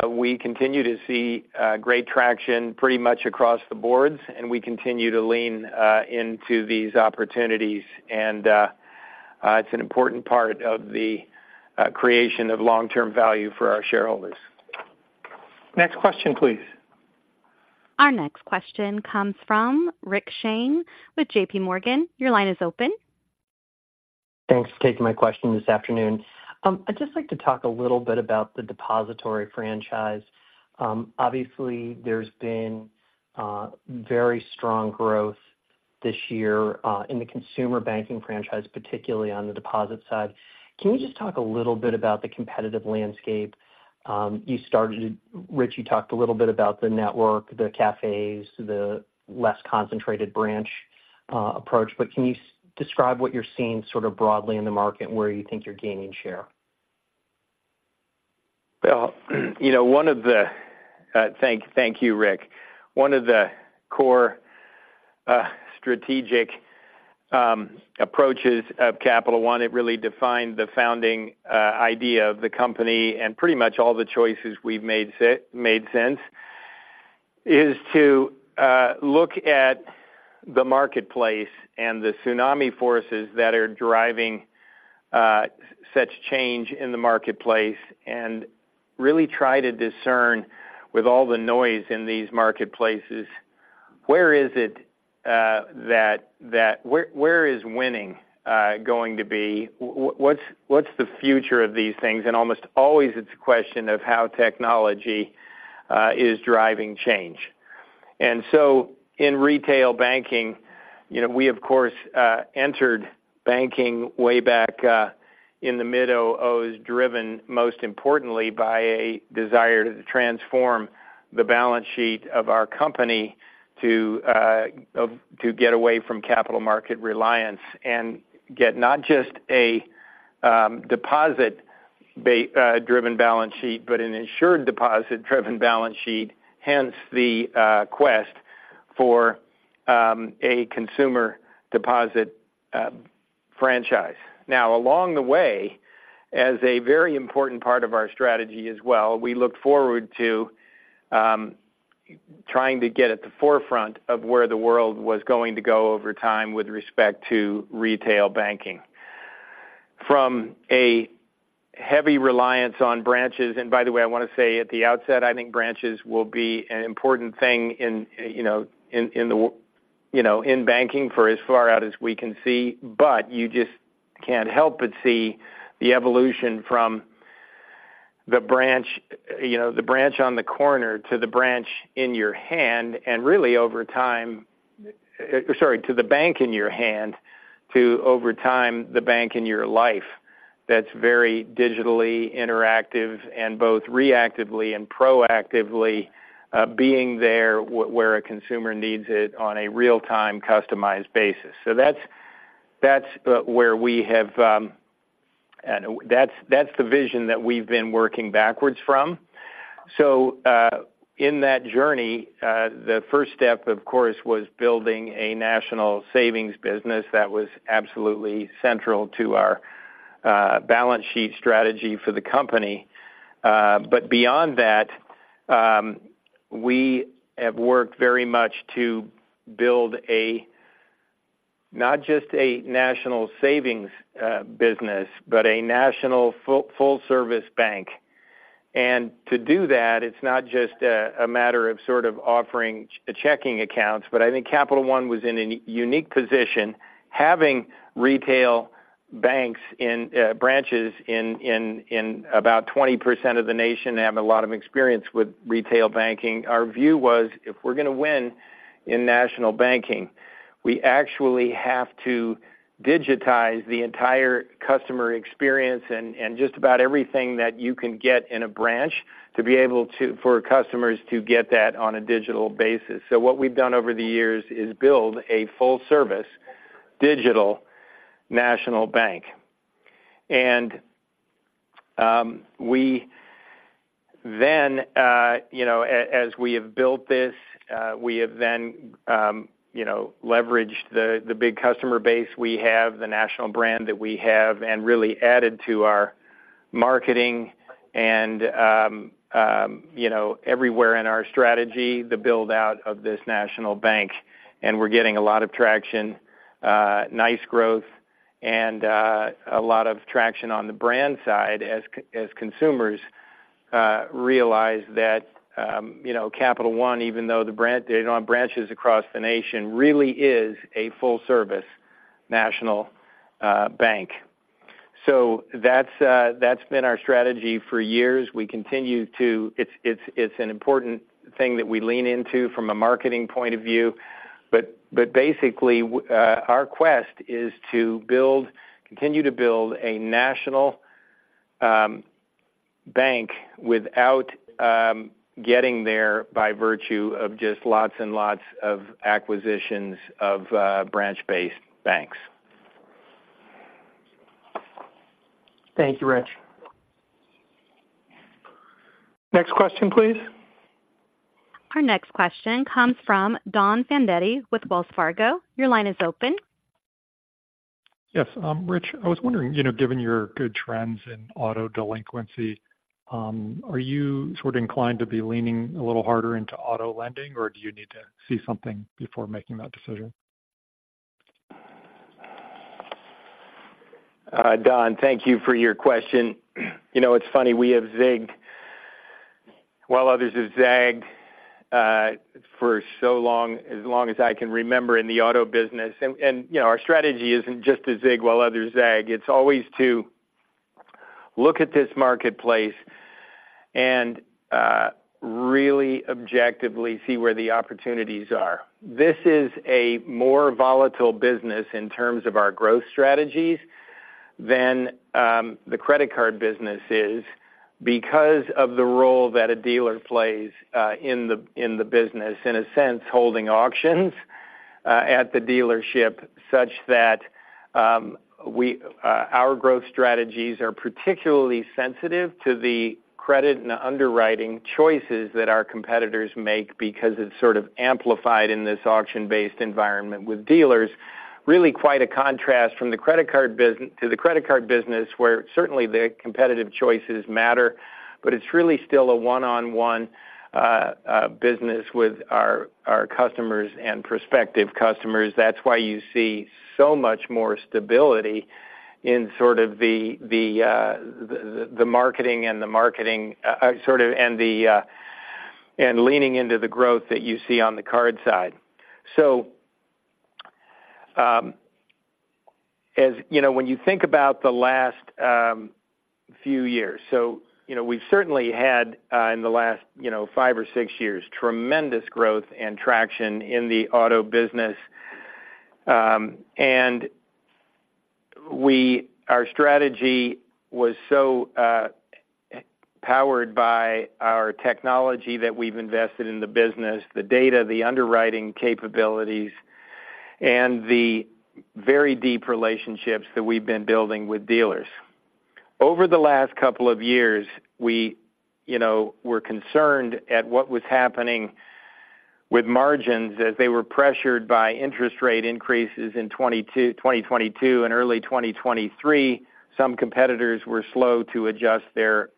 We continue to see great traction pretty much across the boards, and we continue to lean into these opportunities, and it's an important part of the creation of long-term value for our shareholders. Next question, please. Our next question comes from Rick Shane with J.P. Morgan. Your line is open. Thanks for taking my question this afternoon. I'd just like to talk a little bit about the depository franchise. Obviously, there's been very strong growth this year in the consumer banking franchise, particularly on the deposit side. Can you just talk a little bit about the competitive landscape? You started, Rich, you talked a little bit about the network, the cafes, the less concentrated branch approach, but can you describe what you're seeing sort of broadly in the market, and where you think you're gaining share? Well, you know, one of the. Thank you, Rick. One of the core, strategic, approaches of Capital One, it really defined the founding, idea of the company, and pretty much all the choices we've made since, is to, look at the marketplace and the tsunami forces that are driving, such change in the marketplace, and really try to discern with all the noise in these marketplaces, where is it, that, where is winning, going to be? What's the future of these things? And almost always it's a question of how technology, is driving change. In retail banking, you know, we, of course, entered banking way back in the mid-2000s, driven most importantly by a desire to transform the balance sheet of our company to get away from capital market reliance, and get not just a deposit-driven balance sheet, but an insured deposit-driven balance sheet, hence the quest for a consumer deposit franchise. Now, along the way, as a very important part of our strategy as well, we looked forward to trying to get at the forefront of where the world was going to go over time with respect to retail banking. From a heavy reliance on branches. I want to say at the outset, I think branches will be an important thing in, you know, in banking for as far out as we can see, but you just can't help but see the evolution from, the branch, you know, the branch on the corner to the branch in your hand, and really over time, sorry, to the bank in your hand, to over time, the bank in your life, that's very digitally interactive and both reactively and proactively, being there where a consumer needs it on a real-time, customized basis. That's where we have, and that's the vision that we've been working backwards from. So, in that journey, the first step, of course, was building a national savings business that was absolutely central to our balance sheet strategy for the company. But beyond that, we have worked very much to build not just a national savings business, but a national full-service bank. And to do that, it's not just a matter of sort of offering checking accounts, but I think Capital One was in a unique position, having retail banks in branches in about 20% of the nation, have a lot of experience with retail banking. Our view was, if we're gonna win in national banking, we actually have to digitize the entire customer experience and just about everything that you can get in a branch for customers to get that on a digital basis. So what we've done over the years is build a full service, digital national bank. And we then, you know, as we have built this, we have then, you know, leveraged the big customer base we have, the national brand that we have, and really added to our marketing and, you know, everywhere in our strategy, the build-out of this national bank. We're getting a lot of traction, nice growth, and a lot of traction on the brand side, as consumers realize that, you know, Capital One, even though they don't have branches across the nation, really is a full service national bank. That's been our strategy for years. We continue to. It's an important thing that we lean into from a marketing point of view, but basically, our quest is to build, continue to build a national bank without getting there by virtue of just lots and lots of acquisitions of branch-based banks. Thank you, Rich. Next question, please. Our next question comes from Don Fandetti with Wells Fargo. Your line is open. Yes, Rich, I was wondering, you know, given your good trends in auto delinquency, are you sort of inclined to be leaning a little harder into auto lending, or do you need to see something before making that decision? Don, thank you for your question. You know, it's funny, we have zigged, while others have zagged, for so long, as long as I can remember in the auto business. And you know, our strategy isn't just to zig while others zag. It's always to look at this marketplace and really objectively see where the opportunities are. This is a more volatile business in terms of our growth strategies than the credit card business is, because of the role that a dealer plays in the business, in a sense, holding auctions at the dealership, such that our growth strategies are particularly sensitive to the credit and underwriting choices that our competitors make, because it's sort of amplified in this auction-based environment with dealers. Really quite a contrast from the credit card business, where certainly the competitive choices matter, but it's really still a one-on-one business with our customers and prospective customers. That's why you see so much more stability in sort of the marketing and the marketing, and leaning into the growth that you see on the card side. You know, when you think about the last few years, we've certainly had, in the last five or six years, tremendous growth and traction in the auto business. We—our strategy was so powered by our technology that we've invested in the business, the data, the underwriting capabilities, and the very deep relationships that we've been building with dealers. Over the last couple of years, we, you know, were concerned at what was happening with margins as they were pressured by interest rate increases in 2022 and early 2023. Some competitors were slow to adjust their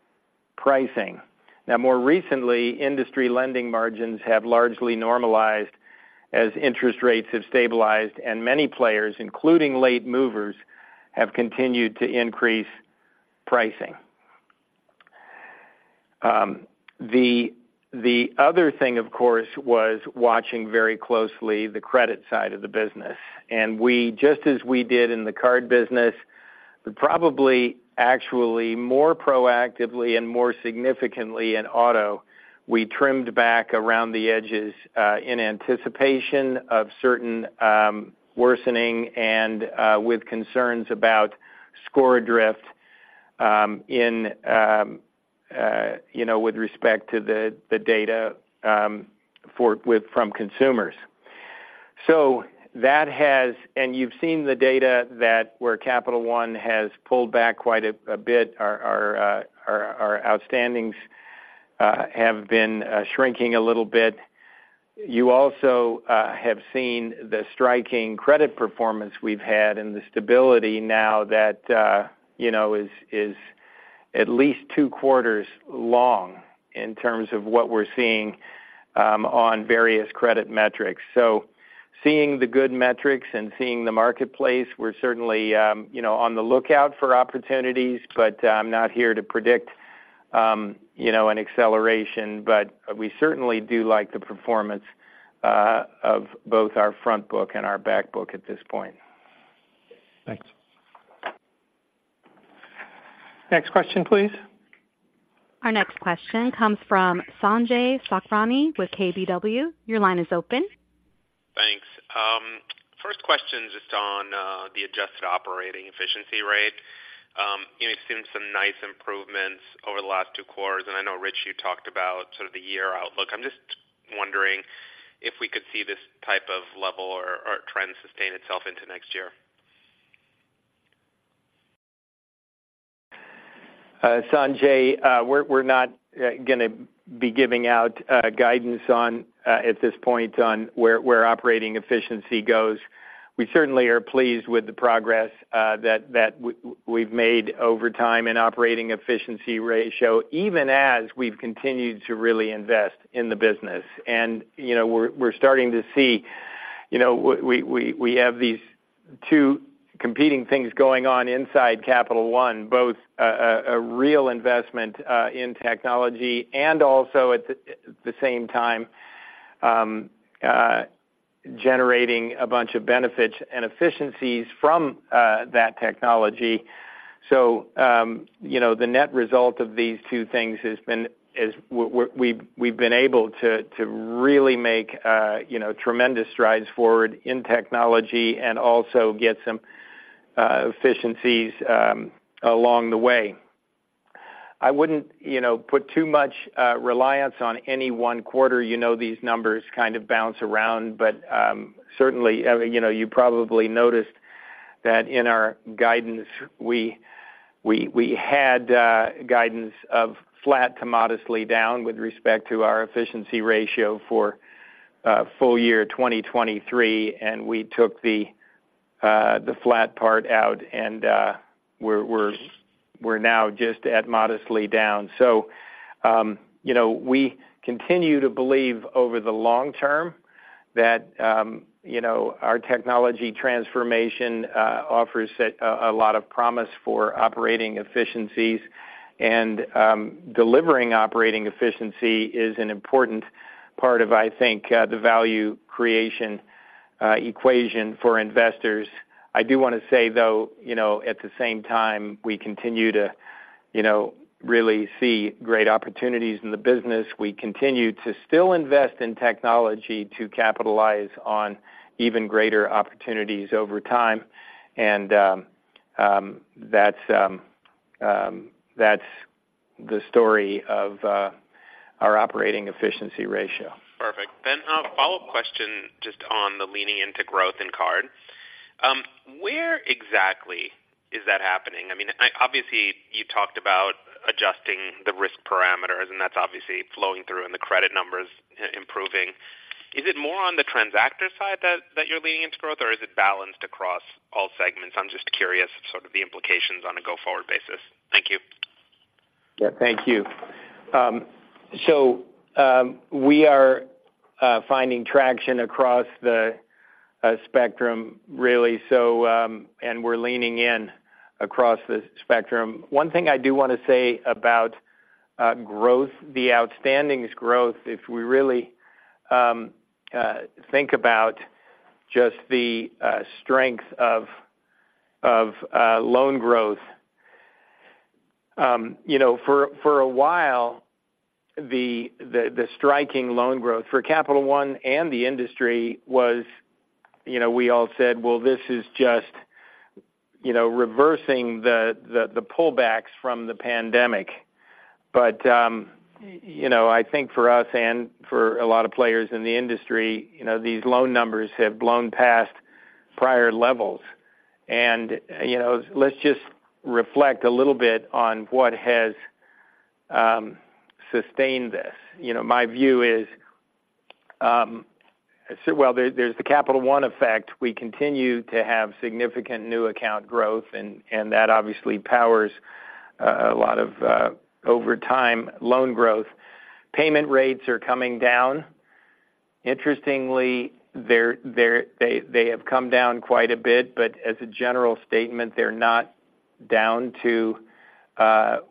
pricing. Now, more recently, industry lending margins have largely normalized, as interest rates have stabilized, and many players, including late movers, have continued to increase pricing. The other thing, of course, was watching very closely the credit side of the business. We, just as we did in the card business, but probably actually more proactively and more significantly in auto, trimmed back around the edges in anticipation of certain worsening and with concerns about score drift, in, you know, with respect to the data, for, with, from consumers. So that has and you've seen the data that where Capital One has pulled back quite a bit. Our outstandings have been shrinking a little bit. You also have seen the striking credit performance we've had and the stability now that, you know, is at least two quarters long in terms of what we're seeing on various credit metrics. So seeing the good metrics and seeing the marketplace, we're certainly, you know, on the lookout for opportunities, but I'm not here to predict, you know, an acceleration. But we certainly do like the performance of both our front book and our back book at this point. Thanks. Next question, please. Our next question comes from Sanjay Sakhrani with KBW. Your line is open. Thanks. First question, just on the adjusted operating efficiency rate. You know, we've seen some nice improvements over the last two quarters, and I know, Rich, you talked about sort of the year outlook. I'm just wondering if we could see this type of level or, or trend sustain itself into next year? Sanjay, we're not going to be giving out guidance at this point on where operating efficiency goes. We certainly are pleased with the progress that we've made over time in operating efficiency ratio, even as we've continued to really invest in the business. You know, we're starting to see, you know, we have these two competing things going on inside Capital One, both a real investment in technology and also at the same time, generating a bunch of benefits and efficiencies from that technology. You know, the net result of these two things has been, we've been able to really make tremendous strides forward in technology and also get some efficiencies along the way. I wouldn't, you know, put too much reliance on any one quarter. You know, these numbers kind of bounce around, but certainly, you know, you probably noticed that in our guidance, we had guidance of flat to modestly down with respect to our efficiency ratio for full year 2023, and we took the flat part out, and we're now just at modestly down. So, you know, we continue to believe over the long term that, you know, our technology transformation offers a lot of promise for operating efficiencies, and delivering operating efficiency is an important part of, I think, the value creation equation for investors. I do want to say, though, you know, at the same time, we continue to, you know, really see great opportunities in the business. We continue to still invest in technology to capitalize on even greater opportunities over time, and that's the story of our operating efficiency ratio. Perfect. Then a follow-up question just on the leaning into growth in card. Where exactly is that happening? I mean, obviously, you talked about adjusting the risk parameters, and that's obviously flowing through in the credit numbers improving. Is it more on the transactor side that you're leaning into growth, or is it balanced across all segments? I'm just curious, sort of the implications on a go-forward basis. Thank you. Yeah, thank you. So, we are finding traction across the spectrum, really, so, and we're leaning in across the spectrum. One thing I do want to say about growth, the outstandings growth, if we really think about just the strength of loan growth. You know, for a while, the striking loan growth for Capital One and the industry was, you know, we all said: Well, this is just, you know, reversing the pullbacks from the pandemic. But, you know, I think for us and for a lot of players in the industry, you know, these loan numbers have blown past prior levels. And, you know, let's just reflect a little bit on what has sustained this. You know, my view is, well, there, there's the Capital One effect. We continue to have significant new account growth, and that obviously powers a lot of over time, loan growth. Payment rates are coming down. Interestingly, they have come down quite a bit, but as a general statement, they're not down to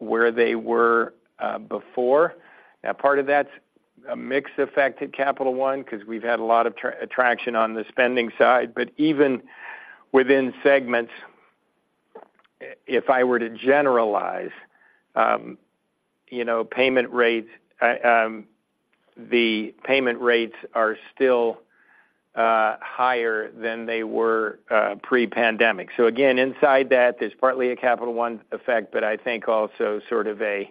where they were before. Now, part of that's a mix effect at Capital One, 'cause we've had a lot of attraction on the spending side. But even within segments, if I were to generalize, you know, payment rates, the payment rates are still higher than they were pre-pandemic. So again, inside that, there's partly a Capital One effect, but I think also sort of a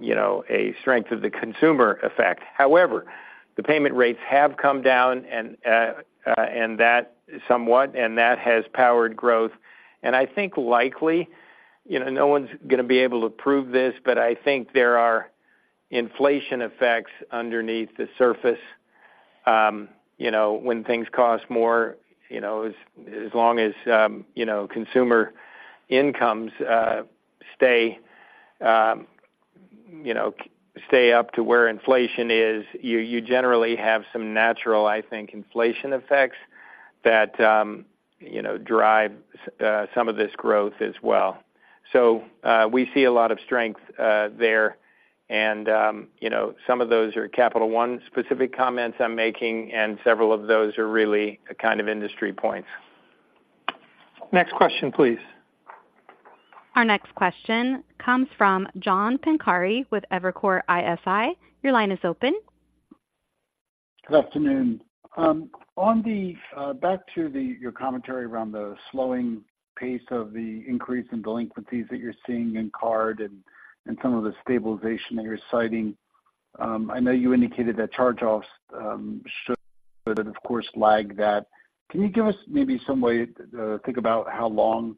you know, a strength of the consumer effect. However, the payment rates have come down, and that somewhat and that has powered growth. And I think likely, you know, no one's gonna be able to prove this, but I think there are inflation effects underneath the surface. You know, when things cost more, you know, as long as, you know, consumer incomes stay, you know, stay up to where inflation is, you generally have some natural, I think, inflation effects that, you know, drive some of this growth as well. So, we see a lot of strength there, and, you know, some of those are Capital One-specific comments I'm making, and several of those are really a kind of industry points. Next question, please. Our next question comes from John Pancari with Evercore ISI. Your line is open. Good afternoon. Back to your commentary around the slowing pace of the increase in delinquencies that you're seeing in card and some of the stabilization that you're citing, I know you indicated that charge-offs should of course lag that. Can you give us maybe some way to think about how long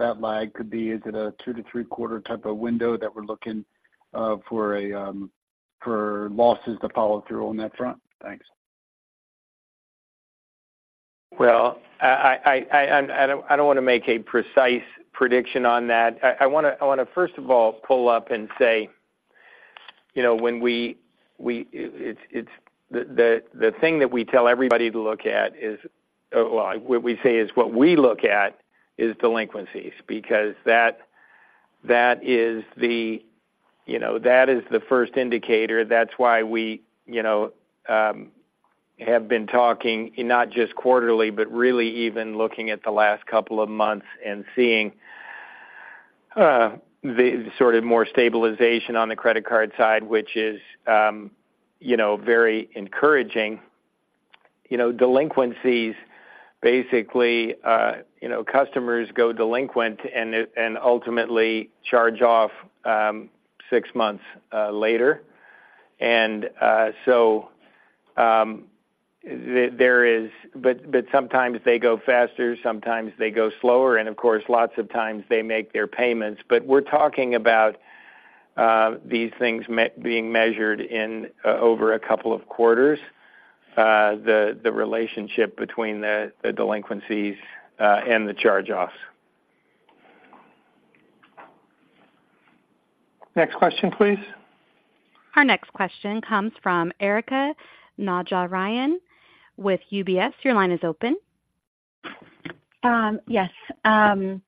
that lag could be? Is it a two- to three-quarter type of window that we're looking for losses to follow through on that front? Thanks. Well, I don't want to make a precise prediction on that. I wanna first of all pull up and say, you know, when we. It's the thing that we tell everybody to look at is, well, what we say is what we look at is delinquencies, because that is the, you know, that is the first indicator. That's why we, you know, have been talking, and not just quarterly, but really even looking at the last couple of months and seeing the sort of more stabilization on the credit card side, which is, you know, very encouraging. You know, delinquencies, basically, you know, customers go delinquent and ultimately charge off six months later. And, so, there is—but, but sometimes they go faster, sometimes they go slower, and of course, lots of times they make their payments. But we're talking about these things being measured in over a couple of quarters, the relationship between the delinquencies and the charge-offs. Next question, please. Our next question comes from Erika Najarian with UBS. Your line is open. Yes. I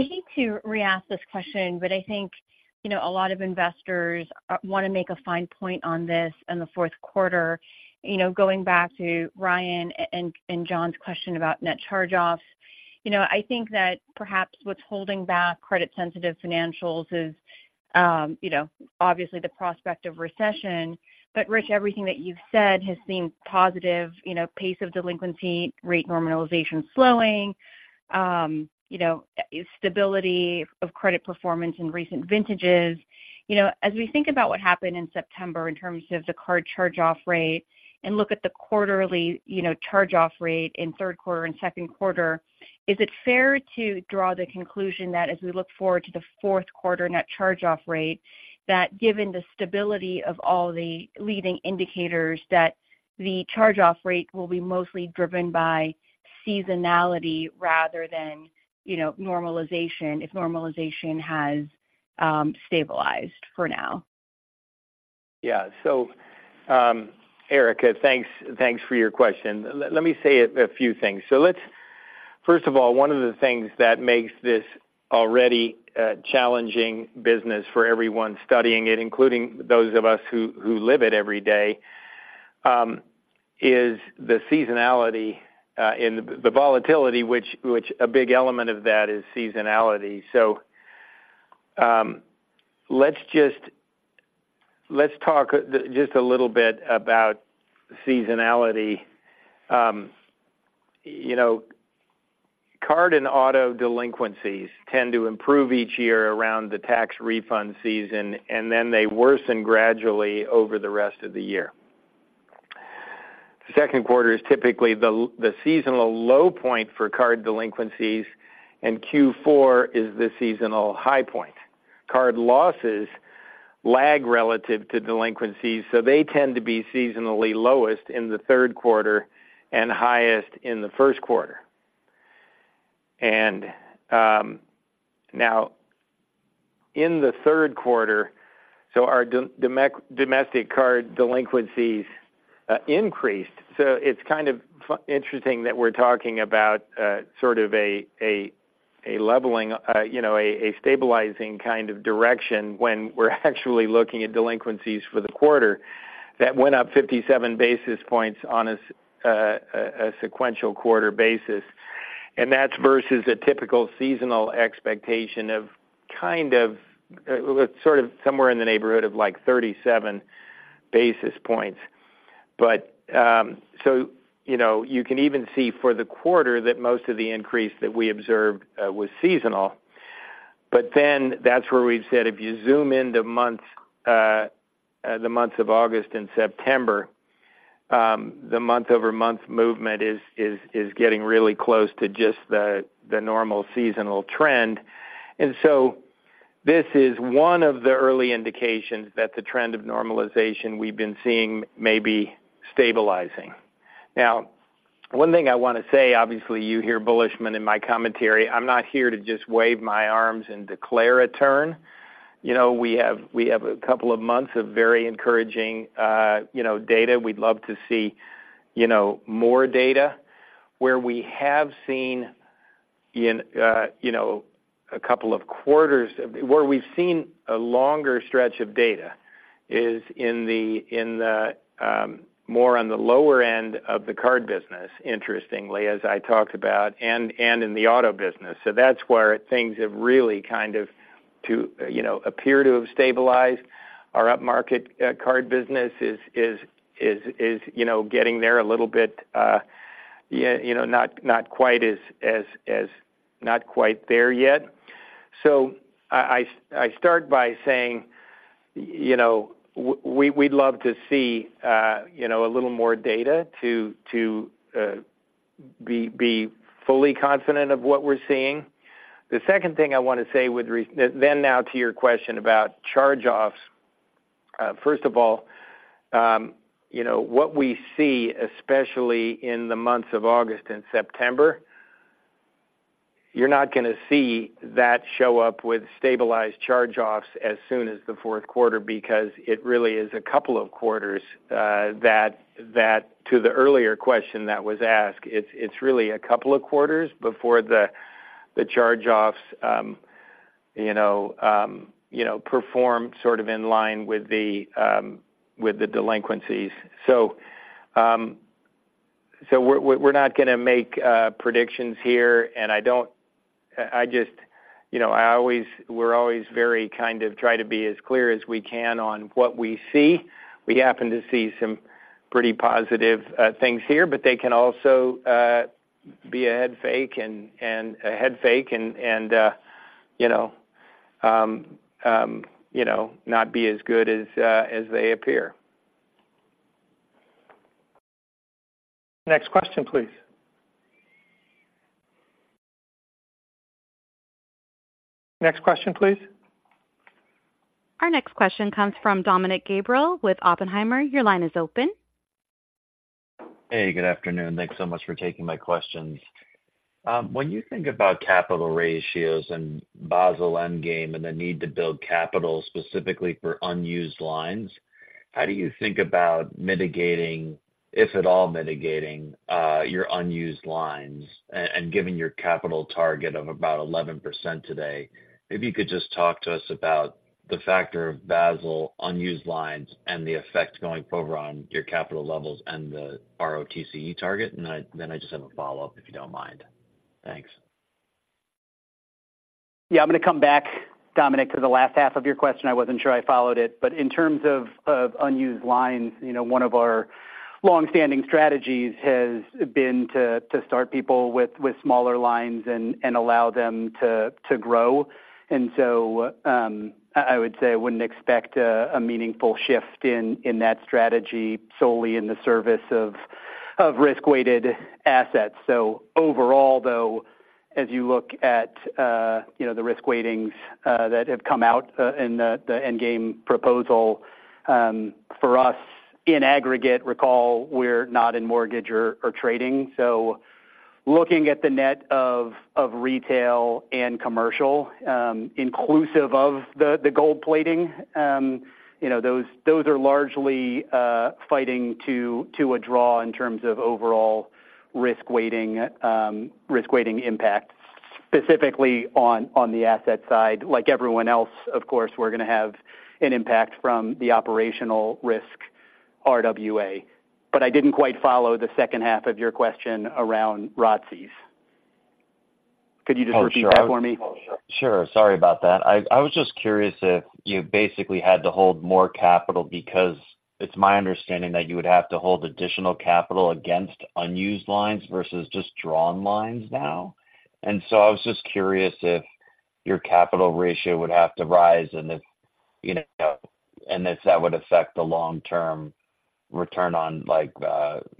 hate to re-ask this question, but I think, you know, a lot of investors want to make a fine point on this in the fourth quarter. You know, going back to Ryan and John's question about net charge-offs, you know, I think that perhaps what's holding back credit-sensitive financials is, you know, obviously the prospect of recession. But Rich, everything that you've said has seemed positive, you know, pace of delinquency, rate normalization slowing, you know, stability of credit performance in recent vintages. You know, as we think about what happened in September in terms of the card charge-off rate and look at the quarterly, you know, charge-off rate in third quarter and second quarter, is it fair to draw the conclusion that as we look forward to the fourth quarter net charge-off rate, that given the stability of all the leading indicators, that the charge-off rate will be mostly driven by seasonality rather than, you know, normalization, if normalization has stabilized for now? Yeah. Erika, thanks, thanks for your question. Let me say a few things. First of all, one of the things that makes this already a challenging business for everyone studying it, including those of us who live it every day, is the seasonality and the volatility, which, a big element of that is seasonality. Let's talk just a little bit about seasonality. You know, card and auto delinquencies tend to improve each year around the tax refund season, and then they worsen gradually over the rest of the year. The second quarter is typically the seasonal low point for card delinquencies, and Q4 is the seasonal high point. Card losses lag relative to delinquencies, so they tend to be seasonally lowest in the third quarter and highest in the first quarter. Now in the third quarter, our domestic card delinquencies increased. It's kind of interesting that we're talking about sort of a leveling, you know, a stabilizing kind of direction when we're actually looking at delinquencies for the quarter that went up 57 basis points on a sequential quarter basis. That's versus a typical seasonal expectation of kind of somewhere in the neighborhood of, like, 37 basis points. You can even see for the quarter that most of the increase that we observed was seasonal. But then that's where we've said, if you zoom in the months, the months of August and September, the month-over-month movement is getting really close to just the normal seasonal trend. And so this is one of the early indications that the trend of normalization we've been seeing may be stabilizing. Now, one thing I want to say, obviously, you hear bullishness in my commentary. I'm not here to just wave my arms and declare a turn. You know, we have a couple of months of very encouraging, you know, data. We'd love to see, you know, more data. Where we've seen a longer stretch of data is in the more on the lower end of the card business, interestingly, as I talked about, and in the auto business. So that's where things have really kind of, you know, appear to have stabilized. Our upmarket card business is, you know, getting there a little bit, yeah, you know, not quite there yet. So I start by saying, you know, we'd love to see, you know, a little more data to be fully confident of what we're seeing. The second thing I want to say with respect to your question about charge-offs. First of all, you know, what we see, especially in the months of August and September, you're not gonna see that show up with stabilized charge-offs as soon as the fourth quarter, because it really is a couple of quarters that. To the earlier question that was asked, it's really a couple of quarters before the charge-offs, you know, perform sort of in line with the delinquencies. So, we're not gonna make predictions here, and I don't, I just, you know, I always-- we're always very kind of try to be as clear as we can on what we see. We happen to see some pretty positive things here, but they can also be a head fake, and you know, not be as good as they appear. Next question, please. Next question, please. Our next question comes from Dominick Gabriele with Oppenheimer. Your line is open. Hey, good afternoon. Thanks so much for taking my questions. When you think about capital ratios and Basel endgame and the need to build capital specifically for unused lines, how do you think about mitigating, if at all, mitigating your unused lines? And given your capital target of about 11% today, maybe you could just talk to us about the factor of Basel unused lines and the effect going over on your capital levels and the ROTCE target. Then I just have a follow-up, if you don't mind. Thanks. Yeah, I'm gonna come back, Dominick, to the last half of your question. I wasn't sure I followed it. But in terms of unused lines, you know, one of our long-standing strategies has been to start people with smaller lines and allow them to grow. And so, I would say I wouldn't expect a meaningful shift in that strategy solely in the service of risk-weighted assets. So overall, though, as you look at, you know, the risk weightings that have come out in the endgame proposal, for us in aggregate, recall, we're not in mortgage or trading. Looking at the net of, of retail and commercial, inclusive of the gold plating, you know, those, those are largely fighting to a draw in terms of overall risk-weighting, risk-weighting impact, specifically on the asset side. Like everyone else, of course, we're gonna have an impact from the operational risk RWA. I didn't quite follow the second half of your question around ROTCEs. Could you just repeat that for me? Oh, sure. Sure. Sorry about that. I was just curious if you basically had to hold more capital, because it's my understanding that you would have to hold additional capital against unused lines versus just drawn lines now. And so I was just curious if your capital ratio would have to rise, and if, you know, and if that would affect the long-term return on, like,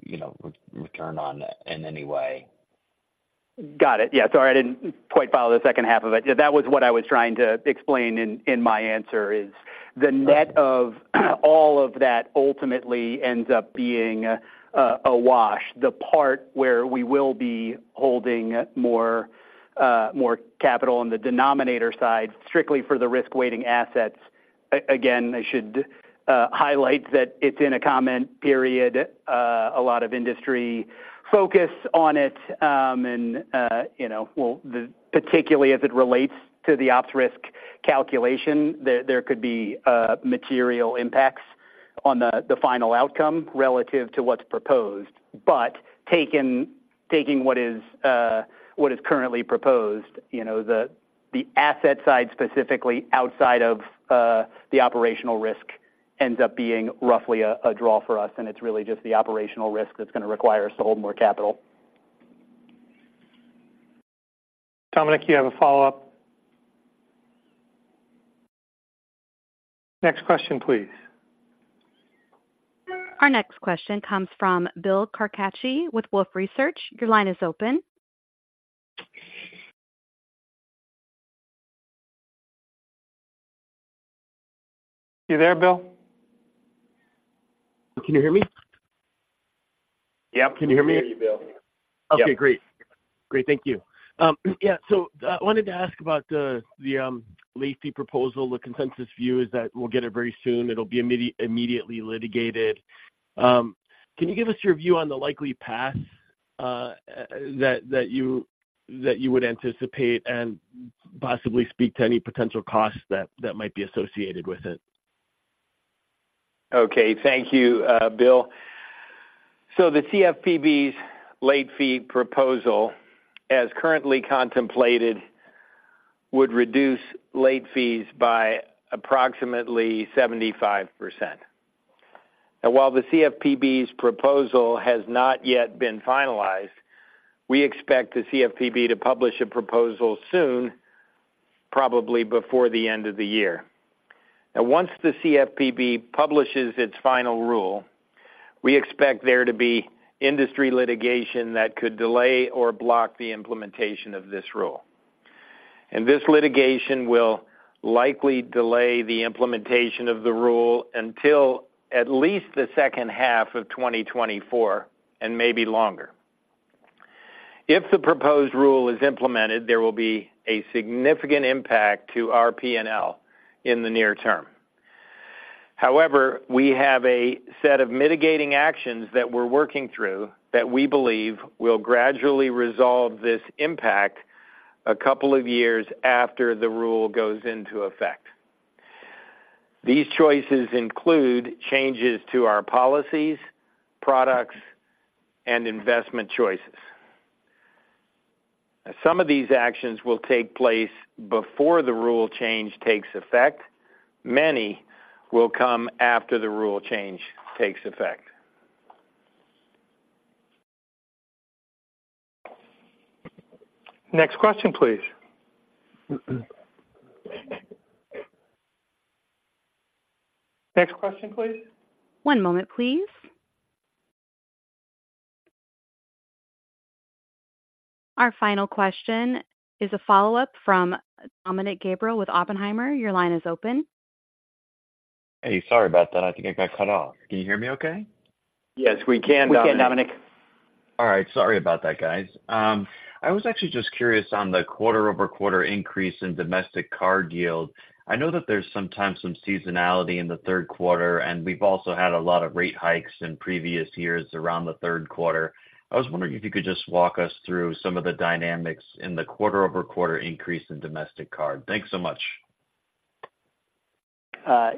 you know, return on it in any way. Got it. Yeah, sorry, I didn't quite follow the second half of it. Yeah, that was what I was trying to explain in my answer, is the net of all of that ultimately ends up being a wash. The part where we will be holding more capital on the denominator side, strictly for the risk-weighted assets- Again, I should highlight that it's in a comment period. A lot of industry focus on it, you know, well, particularly as it relates to the ops risk calculation, there could be material impacts on the final outcome relative to what's proposed. Taken, taking what is currently proposed, you know, the asset side, specifically outside of the operational risk, ends up being roughly a draw for us, and it's really just the operational risk that's gonna require us to hold more capital. Dominick, you have a follow-up? Next question, please. Our next question comes from Bill Carcache with Wolfe Research. Your line is open. You there, Bill? Can you hear me? Yep. Can you hear me? We hear you, Bill. Okay, great. Great, thank you. Yeah, so I wanted to ask about the late fee proposal. The consensus view is that we'll get it very soon. It'll be immediately litigated. Can you give us your view on the likely path that you would anticipate, and possibly speak to any potential costs that might be associated with it? Okay. Thank you, Bill. So the CFPB's late fee proposal, as currently contemplated, would reduce late fees by approximately 75%. While the CFPB's proposal has not yet been finalized, we expect the CFPB to publish a proposal soon, probably before the end of the year. Now, once the CFPB publishes its final rule, we expect there to be industry litigation that could delay or block the implementation of this rule, and this litigation will likely delay the implementation of the rule until at least the second half of 2024, and maybe longer. If the proposed rule is implemented, there will be a significant impact to our P&L in the near term. However, we have a set of mitigating actions that we're working through that we believe will gradually resolve this impact a couple of years after the rule goes into effect. These choices include changes to our policies, products, and investment choices. Now, some of these actions will take place before the rule change takes effect. Many will come after the rule change takes effect. Next question, please. Next question, please. One moment, please. Our final question is a follow-up from Dominick Gabriele with Oppenheimer. Your line is open. Hey, sorry about that. I think I got cut off. Can you hear me okay? Yes, we can, Dominick. We can, Dominick. All right. Sorry about that, guys. I was actually just curious on the quarter-over-quarter increase in domestic card yield. I know that there's sometimes some seasonality in the third quarter, and we've also had a lot of rate hikes in previous years around the third quarter. I was wondering if you could just walk us through some of the dynamics in the quarter-over-quarter increase in domestic card. Thanks so much.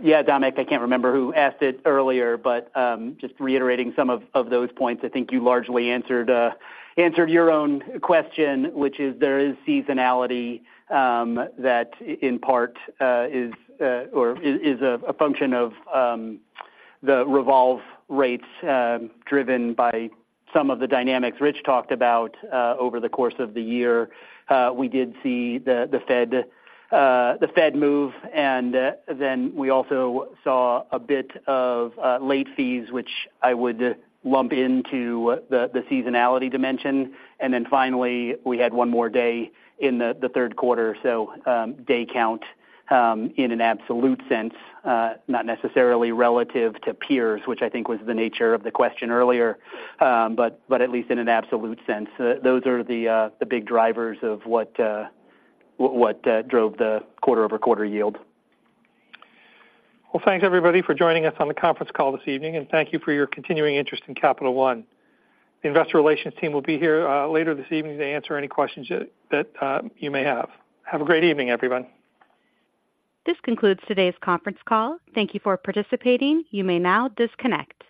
Yeah, Dominick, I can't remember who asked it earlier, but just reiterating some of those points, I think you largely answered answered your own question, which is, there is seasonality that in part is or is a function of the revolve rates driven by some of the dynamics Rich talked about over the course of the year. We did see the Fed the Fed move, and then we also saw a bit of late fees, which I would lump into the seasonality dimension. And then finally, we had one more day in the third quarter, so day count in an absolute sense not necessarily relative to peers, which I think was the nature of the question earlier. At least in an absolute sense, those are the big drivers of what drove the quarter-over-quarter yield. Well, thanks everybody for joining us on the conference call this evening, and thank you for your continuing interest in Capital One. The investor relations team will be here later this evening to answer any questions that you may have. Have a great evening, everyone. This concludes today's conference call. Thank you for participating. You may now disconnect.